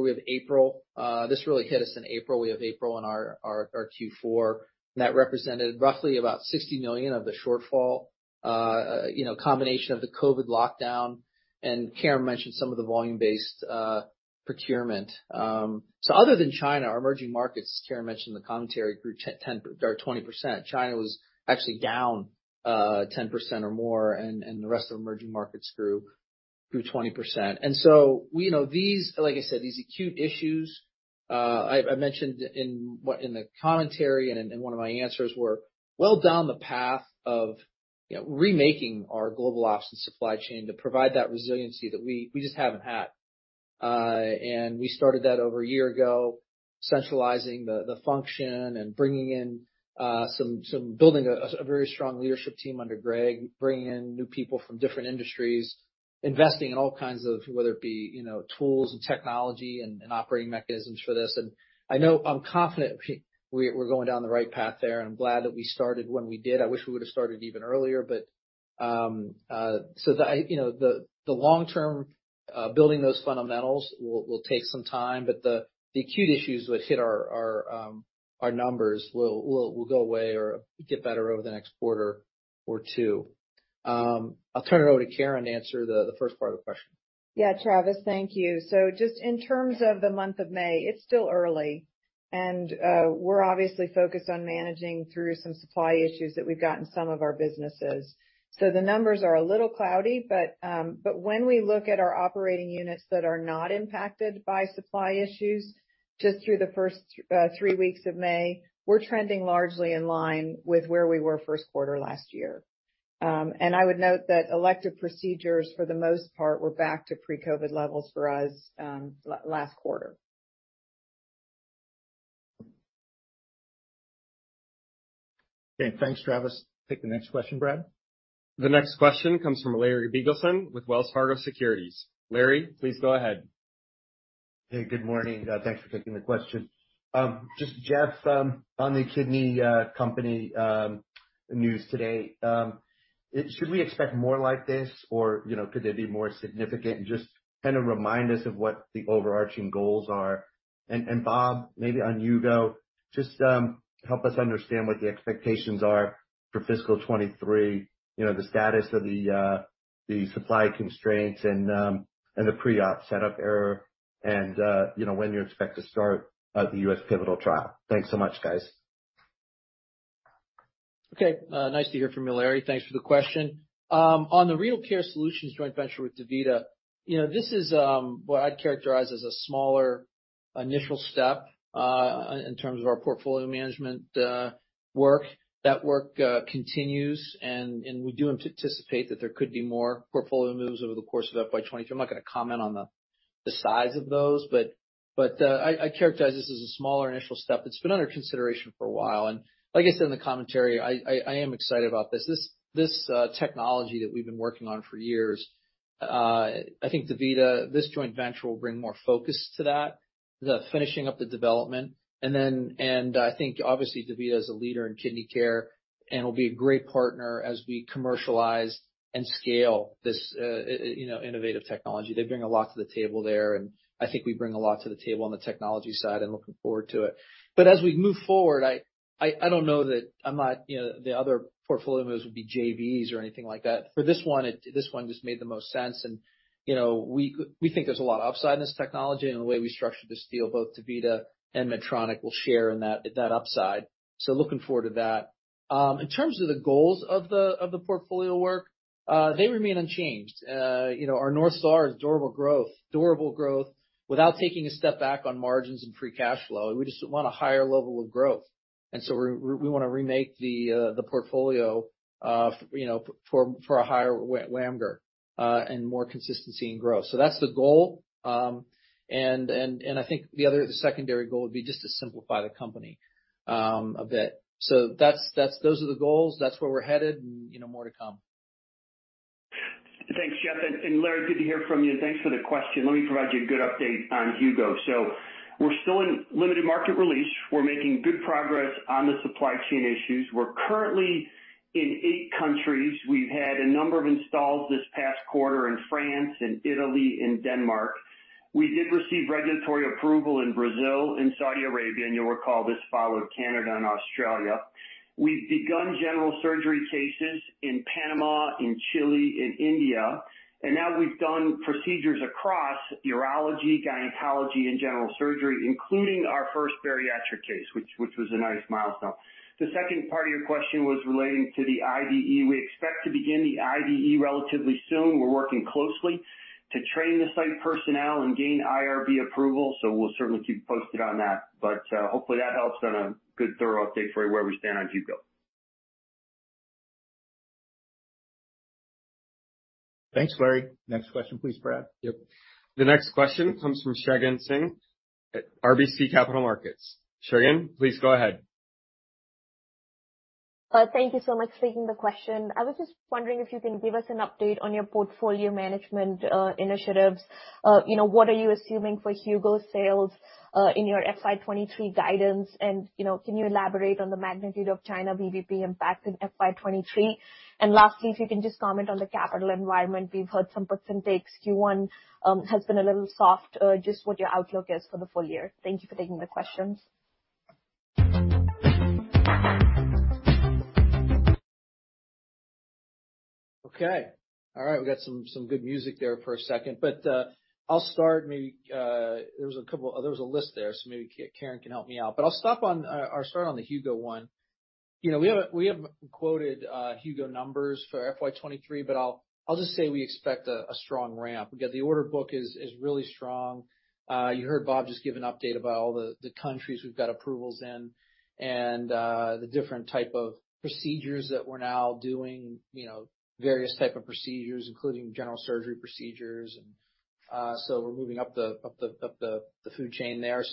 we have April. This really hit us in April. We have April in our Q4, and that represented roughly about $60 million of the shortfall. You know, combination of the COVID lockdown, and Karen mentioned some of the volume-based procurement. Other than China, our emerging markets, Karen mentioned in the commentary, grew 10 or 20%. China was actually down 10% or more, and the rest of emerging markets grew 20%. We know these. Like I said, these acute issues, I mentioned in the commentary and in one of my answers, we're well down the path of, you know, remaking our global ops and supply chain to provide that resiliency that we just haven't had. We started that over a year ago, centralizing the function and bringing in some building a very strong leadership team under Greg, bringing in new people from different industries, investing in all kinds of whether it be, you know, tools and technology and operating mechanisms for this. I know I'm confident we're going down the right path there, and I'm glad that we started when we did. I wish we would've started even earlier. You know, the long-term building those fundamentals will take some time, but the acute issues which hit our numbers will go away or get better over the next quarter or two. I'll turn it over to Karen to answer the first part of the question. Yeah. Travis, thank you. Just in terms of the month of May, it's still early, and we're obviously focused on managing through some supply issues that we've got in some of our businesses. The numbers are a little cloudy, but when we look at our operating units that are not impacted by supply issues, just through the first three weeks of May, we're trending largely in line with where we were first quarter last year. I would note that elective procedures, for the most part, were back to pre-COVID levels for us last quarter. Okay. Thanks, Travis. Take the next question, Brad. The next question comes from Larry Biegelsen with Wells Fargo Securities. Larry, please go ahead. Hey, good morning. Thanks for taking the question. Just Jeff, on the kidney company news today, should we expect more like this or, you know, could they be more significant? Bob, maybe you go on, just help us understand what the expectations are for fiscal 2023, you know, the status of the supply constraints and the pre-op setup error and, you know, when you expect to start the U.S. pivotal trial. Thanks so much, guys. Okay. Nice to hear from you, Larry. Thanks for the question. On the Renal Care Solutions joint venture with DaVita, you know, this is what I'd characterize as a smaller initial step in terms of our portfolio management work. That work continues, and we do anticipate that there could be more portfolio moves over the course of FY 2023. I'm not gonna comment on the size of those, but I characterize this as a smaller initial step. It's been under consideration for a while. Like I said in the commentary, I am excited about this. This technology that we've been working on for years, I think DaVita, this joint venture will bring more focus to that. The finishing up the development. I think obviously DaVita is a leader in kidney care and will be a great partner as we commercialize and scale this, you know, innovative technology. They bring a lot to the table there, and I think we bring a lot to the table on the technology side. I'm looking forward to it. As we move forward, I don't know that I'm not, you know, the other portfolio moves would be JVs or anything like that. For this one, this one just made the most sense. You know, we think there's a lot of upside in this technology, and the way we structured this deal, both DaVita and Medtronic will share in that upside. Looking forward to that. In terms of the goals of the portfolio work, they remain unchanged. You know, our North Star is durable growth without taking a step back on margins and free cash flow. We just want a higher level of growth. We wanna remake the portfolio, you know, for a higher WAMGR and more consistency in growth. That's the goal. I think the other secondary goal would be just to simplify the company a bit. That's those are the goals. That's where we're headed and, you know, more to come. Thanks, Jeff. Larry, good to hear from you, and thanks for the question. Let me provide you a good update on Hugo. We're still in limited market release. We're making good progress on the supply chain issues. We're currently in eight countries. We've had a number of installs this past quarter in France and Italy and Denmark. We did receive regulatory approval in Brazil and Saudi Arabia, and you'll recall this followed Canada and Australia. We've begun general surgery cases in Panama, in Chile, in India, and now we've done procedures across urology, gynecology, and general surgery, including our first bariatric case, which was a nice milestone. The second part of your question was relating to the IDE. We expect to begin the IDE relatively soon. We're working closely to train the site personnel and gain IRB approval, we'll certainly keep you posted on that. Hopefully that helps on a good thorough update for where we stand on Hugo. Thanks, Larry. Next question, please, Brad. Yep. The next question comes from Shagun Singh at RBC Capital Markets. Shagun, please go ahead. Thank you so much for taking the question. I was just wondering if you can give us an update on your portfolio management initiatives. You know, what are you assuming for Hugo sales in your FY 23 guidance? You know, can you elaborate on the magnitude of China VBP impact in FY 23? Lastly, if you can just comment on the capital environment. We've heard some puts and takes. Q1 has been a little soft. Just what your outlook is for the full year. Thank you for taking the questions. Okay. All right. We got some good music there for a second. I'll start maybe. There was a list there, so maybe Karen can help me out. I'll stop on or start on the Hugo one. You know, we haven't quoted Hugo numbers for FY 2023, but I'll just say we expect a strong ramp. Again, the order book is really strong. You heard Bob just give an update about all the countries we've got approvals in and the different type of procedures that we're now doing, you know, various type of procedures, including general surgery procedures. So we're moving up the food chain there.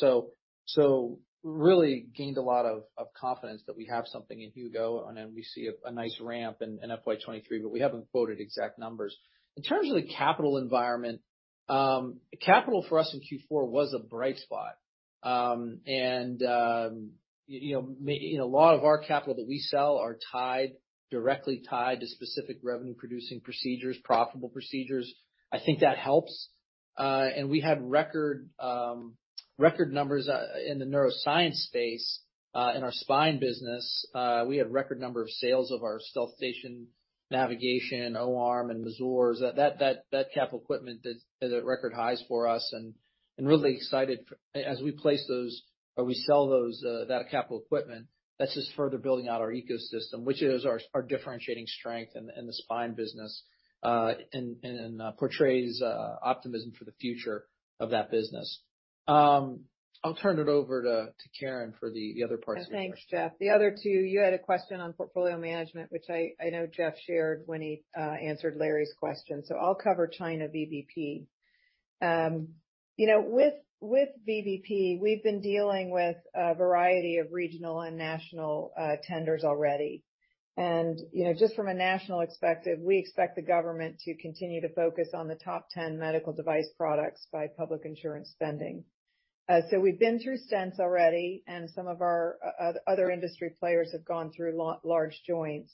Really gained a lot of confidence that we have something in Hugo, and then we see a nice ramp in FY 2023, but we haven't quoted exact numbers. In terms of the capital environment, capital for us in Q4 was a bright spot. You know, a lot of our capital that we sell are directly tied to specific revenue-producing procedures, profitable procedures. I think that helps. We had record numbers in the neuroscience space, in our spine business. We had record number of sales of our StealthStation navigation, O-arm, and Mazor. That capital equipment is at record highs for us, and really excited as we place those or we sell those, that capital equipment, that's just further building out our ecosystem, which is our differentiating strength in the spine business. Portrays optimism for the future of that business. I'll turn it over to Karen for the other parts of your question. Thanks, Jeff. The other two, you had a question on portfolio management, which I know Jeff shared when he answered Larry's question. I'll cover China VBP. You know, with VBP, we've been dealing with a variety of regional and national tenders already. You know, just from a national perspective, we expect the government to continue to focus on the top 10 medical device products by public insurance spending. We've been through stents already, and some of our other industry players have gone through large joints.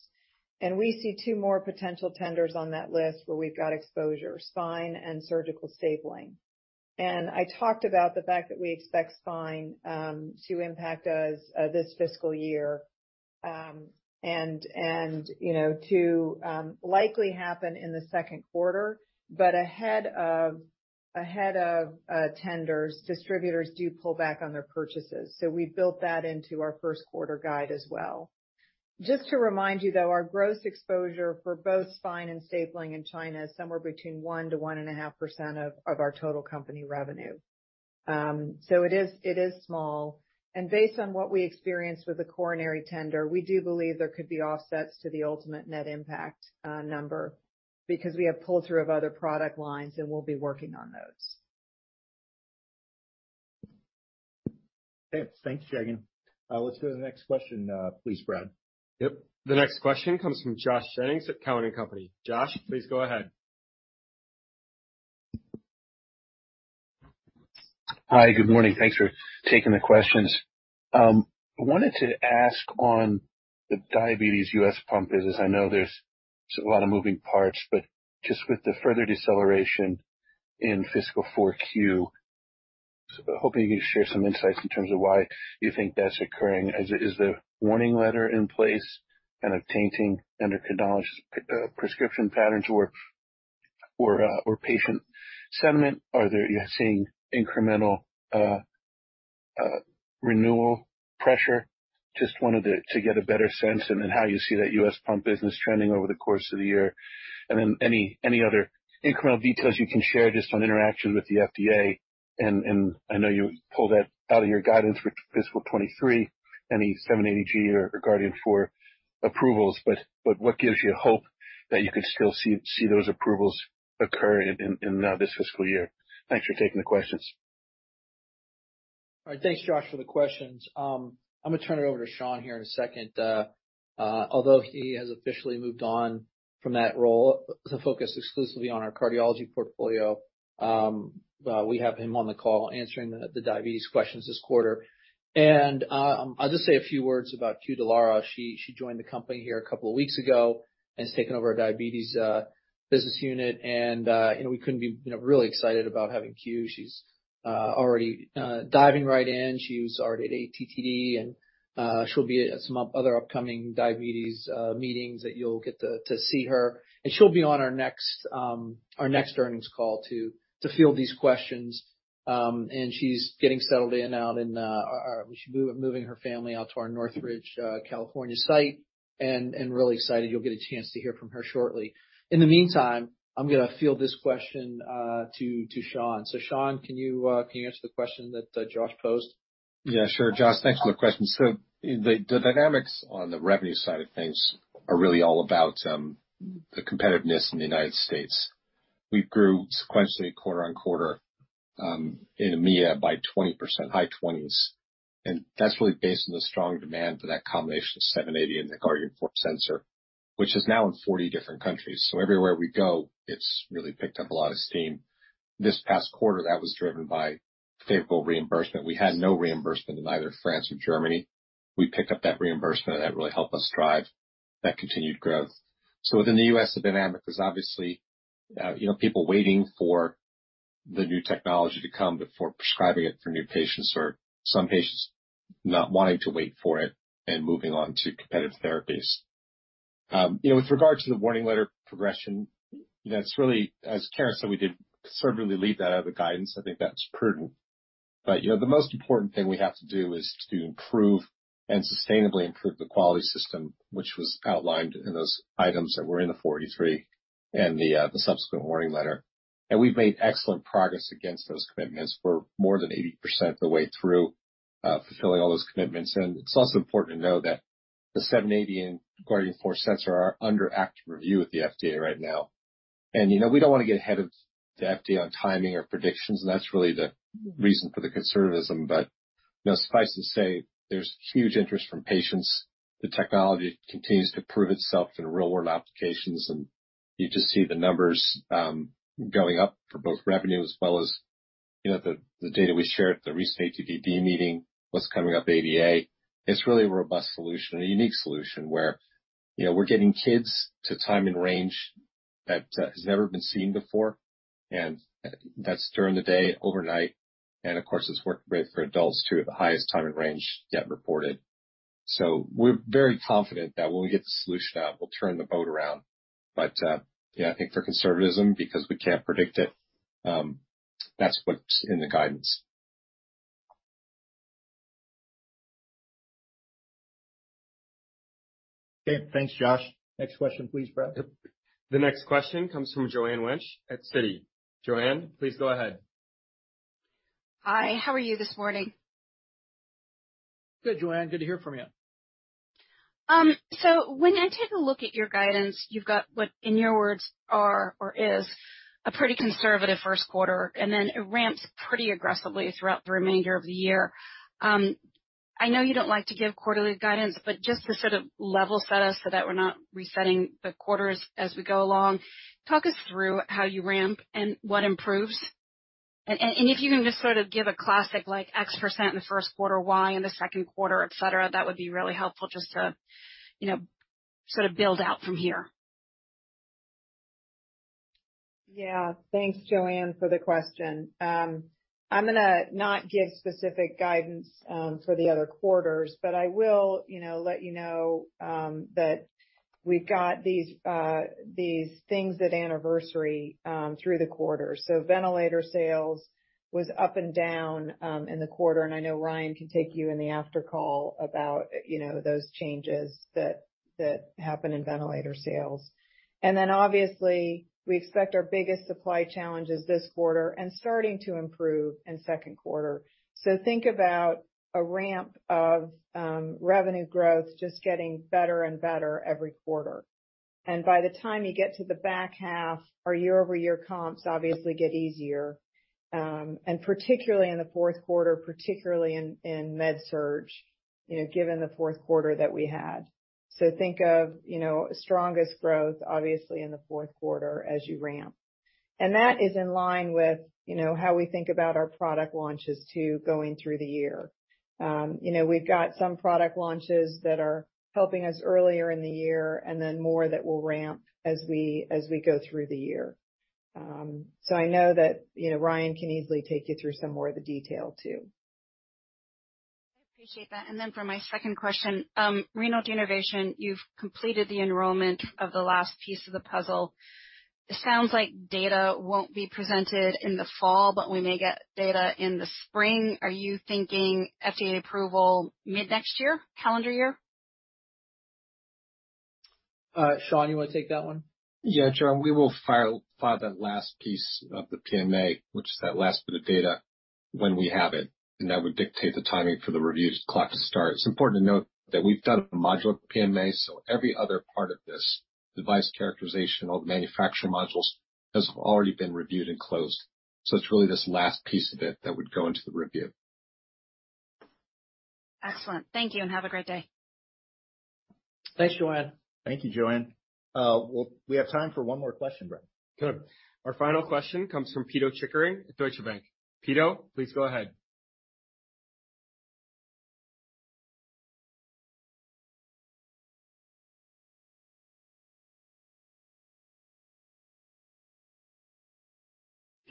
We see two more potential tenders on that list where we've got exposure, spine and surgical stapling. I talked about the fact that we expect spine to impact us this fiscal year, and you know to likely happen in the second quarter. Ahead of tenders, distributors do pull back on their purchases. We built that into our first quarter guide as well. Just to remind you, though, our gross exposure for both spine and stapling in China is somewhere between 1%-1.5% of our total company revenue. It is small. Based on what we experienced with the coronary tender, we do believe there could be offsets to the ultimate net impact number because we have pull-through of other product lines, and we'll be working on those. Okay. Thanks, Shagun. Let's go to the next question, please, Brad. Yep. The next question comes from Josh Jennings at Cowen and Company. Josh, please go ahead. Hi. Good morning. Thanks for taking the questions. I wanted to ask on the diabetes US pump business. I know there's a lot of moving parts, but just with the further deceleration in fiscal 4Q, hoping you can share some insights in terms of why you think that's occurring. Is the warning letter in place kind of tainting endocrinologist prescription patterns or patient sentiment? Are you seeing incremental renewal pressure? Just wanted to get a better sense and then how you see that US pump business trending over the course of the year. Then any other incremental details you can share just on interactions with the FDA. I know you pulled that out of your guidance for fiscal 2023, in 780G or Guardian four approvals, but what gives you hope that you could still see those approvals occur in this fiscal year? Thanks for taking the questions. All right. Thanks, Josh, for the questions. I'm gonna turn it over to Sean here in a second. Although he has officially moved on from that role to focus exclusively on our cardiology portfolio, we have him on the call answering the diabetes questions this quarter. I'll just say a few words about Que Dallara. She joined the company here a couple of weeks ago and has taken over our diabetes business unit. You know, we couldn't be, you know, really excited about having Que. She's already diving right in. She was already at ATTD, and she'll be at some other upcoming diabetes meetings that you'll get to see her. She'll be on our next earnings call to field these questions. She's getting settled in, moving her family out to our Northridge, California site, and really excited you'll get a chance to hear from her shortly. In the meantime, I'm gonna field this question to Sean. Sean, can you answer the question that Josh posed? Yeah, sure. Josh, thanks for the question. The dynamics on the revenue side of things are really all about the competitiveness in the United States. We grew sequentially quarter-over-quarter in EMEA by 20%, high 20s, and that's really based on the strong demand for that combination of 780G and the Guardian sensor, which is now in 40 different countries. Everywhere we go, it's really picked up a lot of steam. This past quarter, that was driven by favorable reimbursement. We had no reimbursement in either France or Germany. We picked up that reimbursement, and that really helped us drive that continued growth. Within the U.S., the dynamic is obviously, you know, people waiting for the new technology to come before prescribing it for new patients or some patients not wanting to wait for it and moving on to competitive therapies. You know, with regard to the warning letter progression, that's really as Karen said, we did conservatively leave that out of the guidance. I think that's prudent. You know, the most important thing we have to do is to improve and sustainably improve the quality system, which was outlined in those items that were in the 483 and the subsequent warning letter. We've made excellent progress against those commitments. We're more than 80% of the way through fulfilling all those commitments. It's also important to know that the 780G and Guardian four sensor are under active review with the FDA right now. You know, we don't wanna get ahead of the FDA on timing or predictions, and that's really the reason for the conservatism. You know, suffice to say, there's huge interest from patients. The technology continues to prove itself in real-world applications, and you just see the numbers going up for both revenue as well as, you know, the data we shared at the recent ATTD meeting, what's coming up ADA. It's really a robust solution, a unique solution, where, you know, we're getting kids to time in range that has never been seen before, and that's during the day, overnight. Of course, it's worked great for adults too, at the highest time in range yet reported. We're very confident that when we get the solution out, we'll turn the boat around. Yeah, I think for conservatism, because we can't predict it, that's what's in the guidance. Okay. Thanks, Josh. Next question, please, Brad. Yep. The next question comes from Joanne Wuensch at Citi. Joanne, please go ahead. Hi. How are you this morning? Good, Joanne. Good to hear from you. When I take a look at your guidance, you've got what in your words is a pretty conservative first quarter, and then it ramps pretty aggressively throughout the remainder of the year. I know you don't like to give quarterly guidance, but just to sort of level set us so that we're not resetting the quarters as we go along, talk us through how you ramp and what improves. If you can just sort of give a classic like X% in the first quarter, Y in the second quarter, et cetera, that would be really helpful just to, you know, sort of build out from here. Yeah. Thanks, Joanne, for the question. I'm gonna not give specific guidance for the other quarters, but I will, you know, let you know that we've got these things at anniversary through the quarter. Ventilator sales was up and down in the quarter, and I know Ryan can take you in the after call about, you know, those changes that happen in ventilator sales. Then obviously, we expect our biggest supply challenges this quarter and starting to improve in second quarter. Think about a ramp of revenue growth just getting better and better every quarter. By the time you get to the back half, our year-over-year comps obviously get easier, and particularly in the fourth quarter, particularly in Med Surg, you know, given the fourth quarter that we had. Think of, you know, strongest growth, obviously in the fourth quarter as you ramp. That is in line with, you know, how we think about our product launches too, going through the year. You know, we've got some product launches that are helping us earlier in the year and then more that will ramp as we go through the year. I know that, you know, Ryan can easily take you through some more of the detail too. I appreciate that. For my second question, renal denervation, you've completed the enrollment of the last piece of the puzzle. It sounds like data won't be presented in the fall, but we may get data in the spring. Are you thinking FDA approval mid-next year, calendar year? Sean, you wanna take that one? Yeah, Joanne, we will file that last piece of the PMA, which is that last bit of data when we have it, and that would dictate the timing for the reviews clock to start. It's important to note that we've done a modular PMA, so every other part of this device characterization, all the manufacturer modules has already been reviewed and closed. It's really this last piece of it that would go into the review. Excellent. Thank you, and have a great day. Thanks, Joanne. Thank you, Joanne. We have time for one more question, Brian. Good. Our final question comes from Pito Chickering at Deutsche Bank. Pito, please go ahead.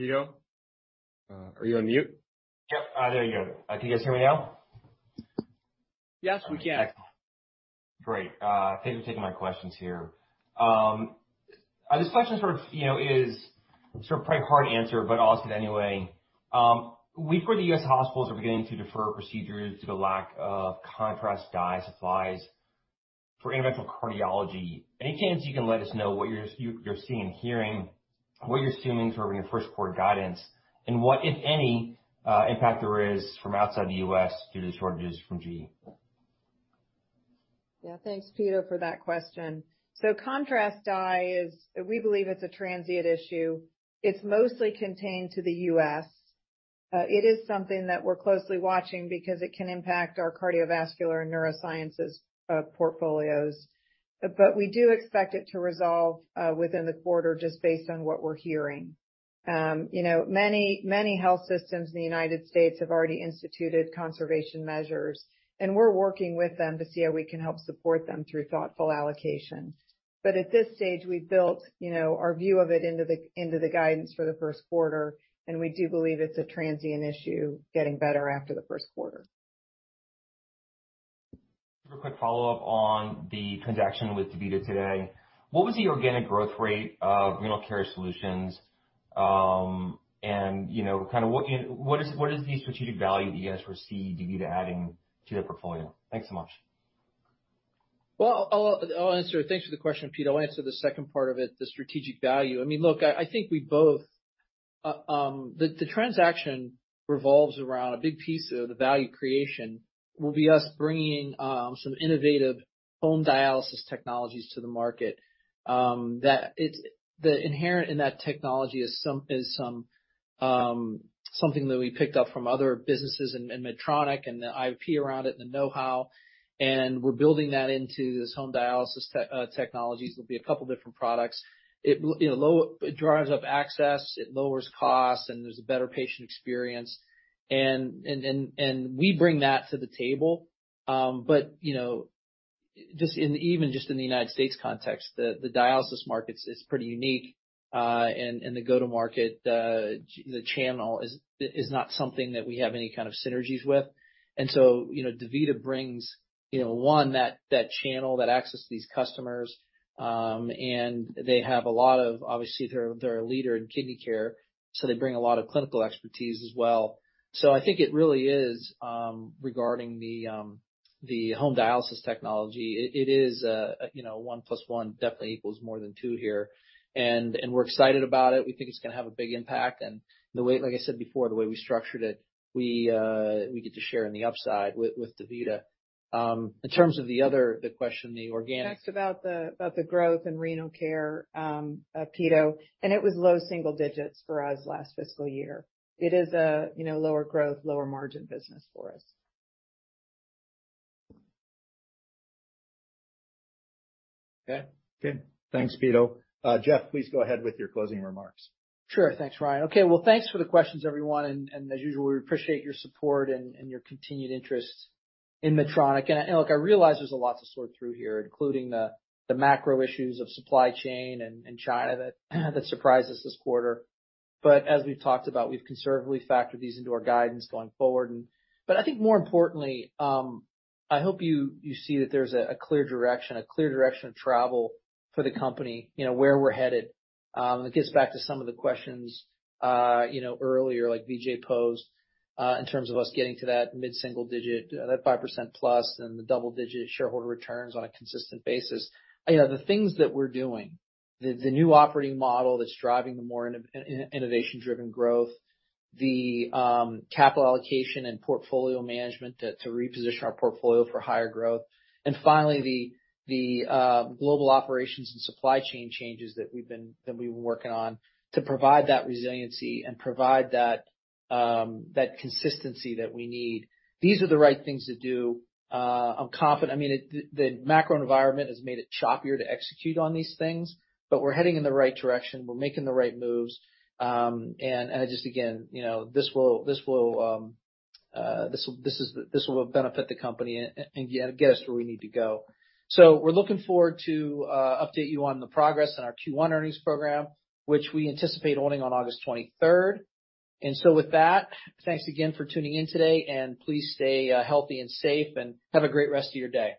Pito, are you on mute? Yep. There you go. Can you guys hear me now? Yes, we can. Great. Thank you for taking my questions here. This question sort of, you know, is sort of probably hard to answer, but I'll ask it anyway. We've heard the U.S. hospitals are beginning to defer procedures due to lack of contrast dye supplies for interventional cardiology. Any chance you can let us know what you're seeing and hearing, what you're assuming for when your first quarter guidance, and what, if any, impact there is from outside the U.S. due to shortages from GE? Yeah. Thanks, Peter, for that question. Contrast dye is a transient issue. It's mostly contained to the U.S. It is something that we're closely watching because it can impact our cardiovascular and neuroscience portfolios. We do expect it to resolve within the quarter just based on what we're hearing. You know, many, many health systems in the United States have already instituted conservation measures, and we're working with them to see how we can help support them through thoughtful allocation. At this stage, we've built, you know, our view of it into the guidance for the first quarter, and we do believe it's a transient issue getting better after the first quarter. Real quick follow-up on the transaction with DaVita today. What was the organic growth rate of Renal Care Solutions? You know, kind of what is the strategic value that you guys foresee DaVita adding to the portfolio? Thanks so much. Well, I'll answer. Thanks for the question, Peter. I'll answer the second part of it, the strategic value. I mean, look, I think we both. The transaction revolves around a big piece of the value creation will be us bringing some innovative home dialysis technologies to the market. Inherent in that technology is something that we picked up from other businesses in Medtronic and the IP around it and the know-how, and we're building that into this home dialysis technologies. It'll be a couple different products. You know, it drives up access, it lowers costs, and there's a better patient experience. We bring that to the table. But, you know, even just in the United States context, the dialysis market is pretty unique. The go-to-market, the channel is not something that we have any kind of synergies with. You know, DaVita brings, you know, that channel, that access to these customers, and they have a lot of. Obviously, they're a leader in kidney care, so they bring a lot of clinical expertise as well. I think it really is regarding the home dialysis technology, it is, you know, one plus one definitely equals more than two here. We're excited about it. We think it's gonna have a big impact. The way, like I said before, the way we structured it, we get to share in the upside with DaVita. In terms of the other question, the organic- You asked about the growth in Renal Care, Peter, and it was low single digits% for us last fiscal year. It is a, you know, lower growth, lower margin business for us. Okay. Good. Thanks, Peter. Jeff, please go ahead with your closing remarks. Sure. Thanks, Ryan. Okay. Well, thanks for the questions, everyone. As usual, we appreciate your support and your continued interest in Medtronic. Look, I realize there's a lot to sort through here, including the macro issues of supply chain and China that surprised us this quarter. As we've talked about, we've conservatively factored these into our guidance going forward. I think more importantly, I hope you see that there's a clear direction of travel for the company, you know, where we're headed. It gets back to some of the questions, you know, earlier, like Vijay posed, in terms of us getting to that mid-single digit, that 5% plus and the double-digit shareholder returns on a consistent basis. You know, the things that we're doing, the new operating model that's driving the more innovation-driven growth, the capital allocation and portfolio management to reposition our portfolio for higher growth, and finally, the global operations and supply chain changes that we've been working on to provide that resiliency and provide that consistency that we need, these are the right things to do. I mean, the macro environment has made it choppier to execute on these things, but we're heading in the right direction. We're making the right moves. And I just, again, you know, this will benefit the company and get us where we need to go. We're looking forward to update you on the progress in our Q1 earnings program, which we anticipate holding on August 23rd. With that, thanks again for tuning in today, and please stay healthy and safe, and have a great rest of your day.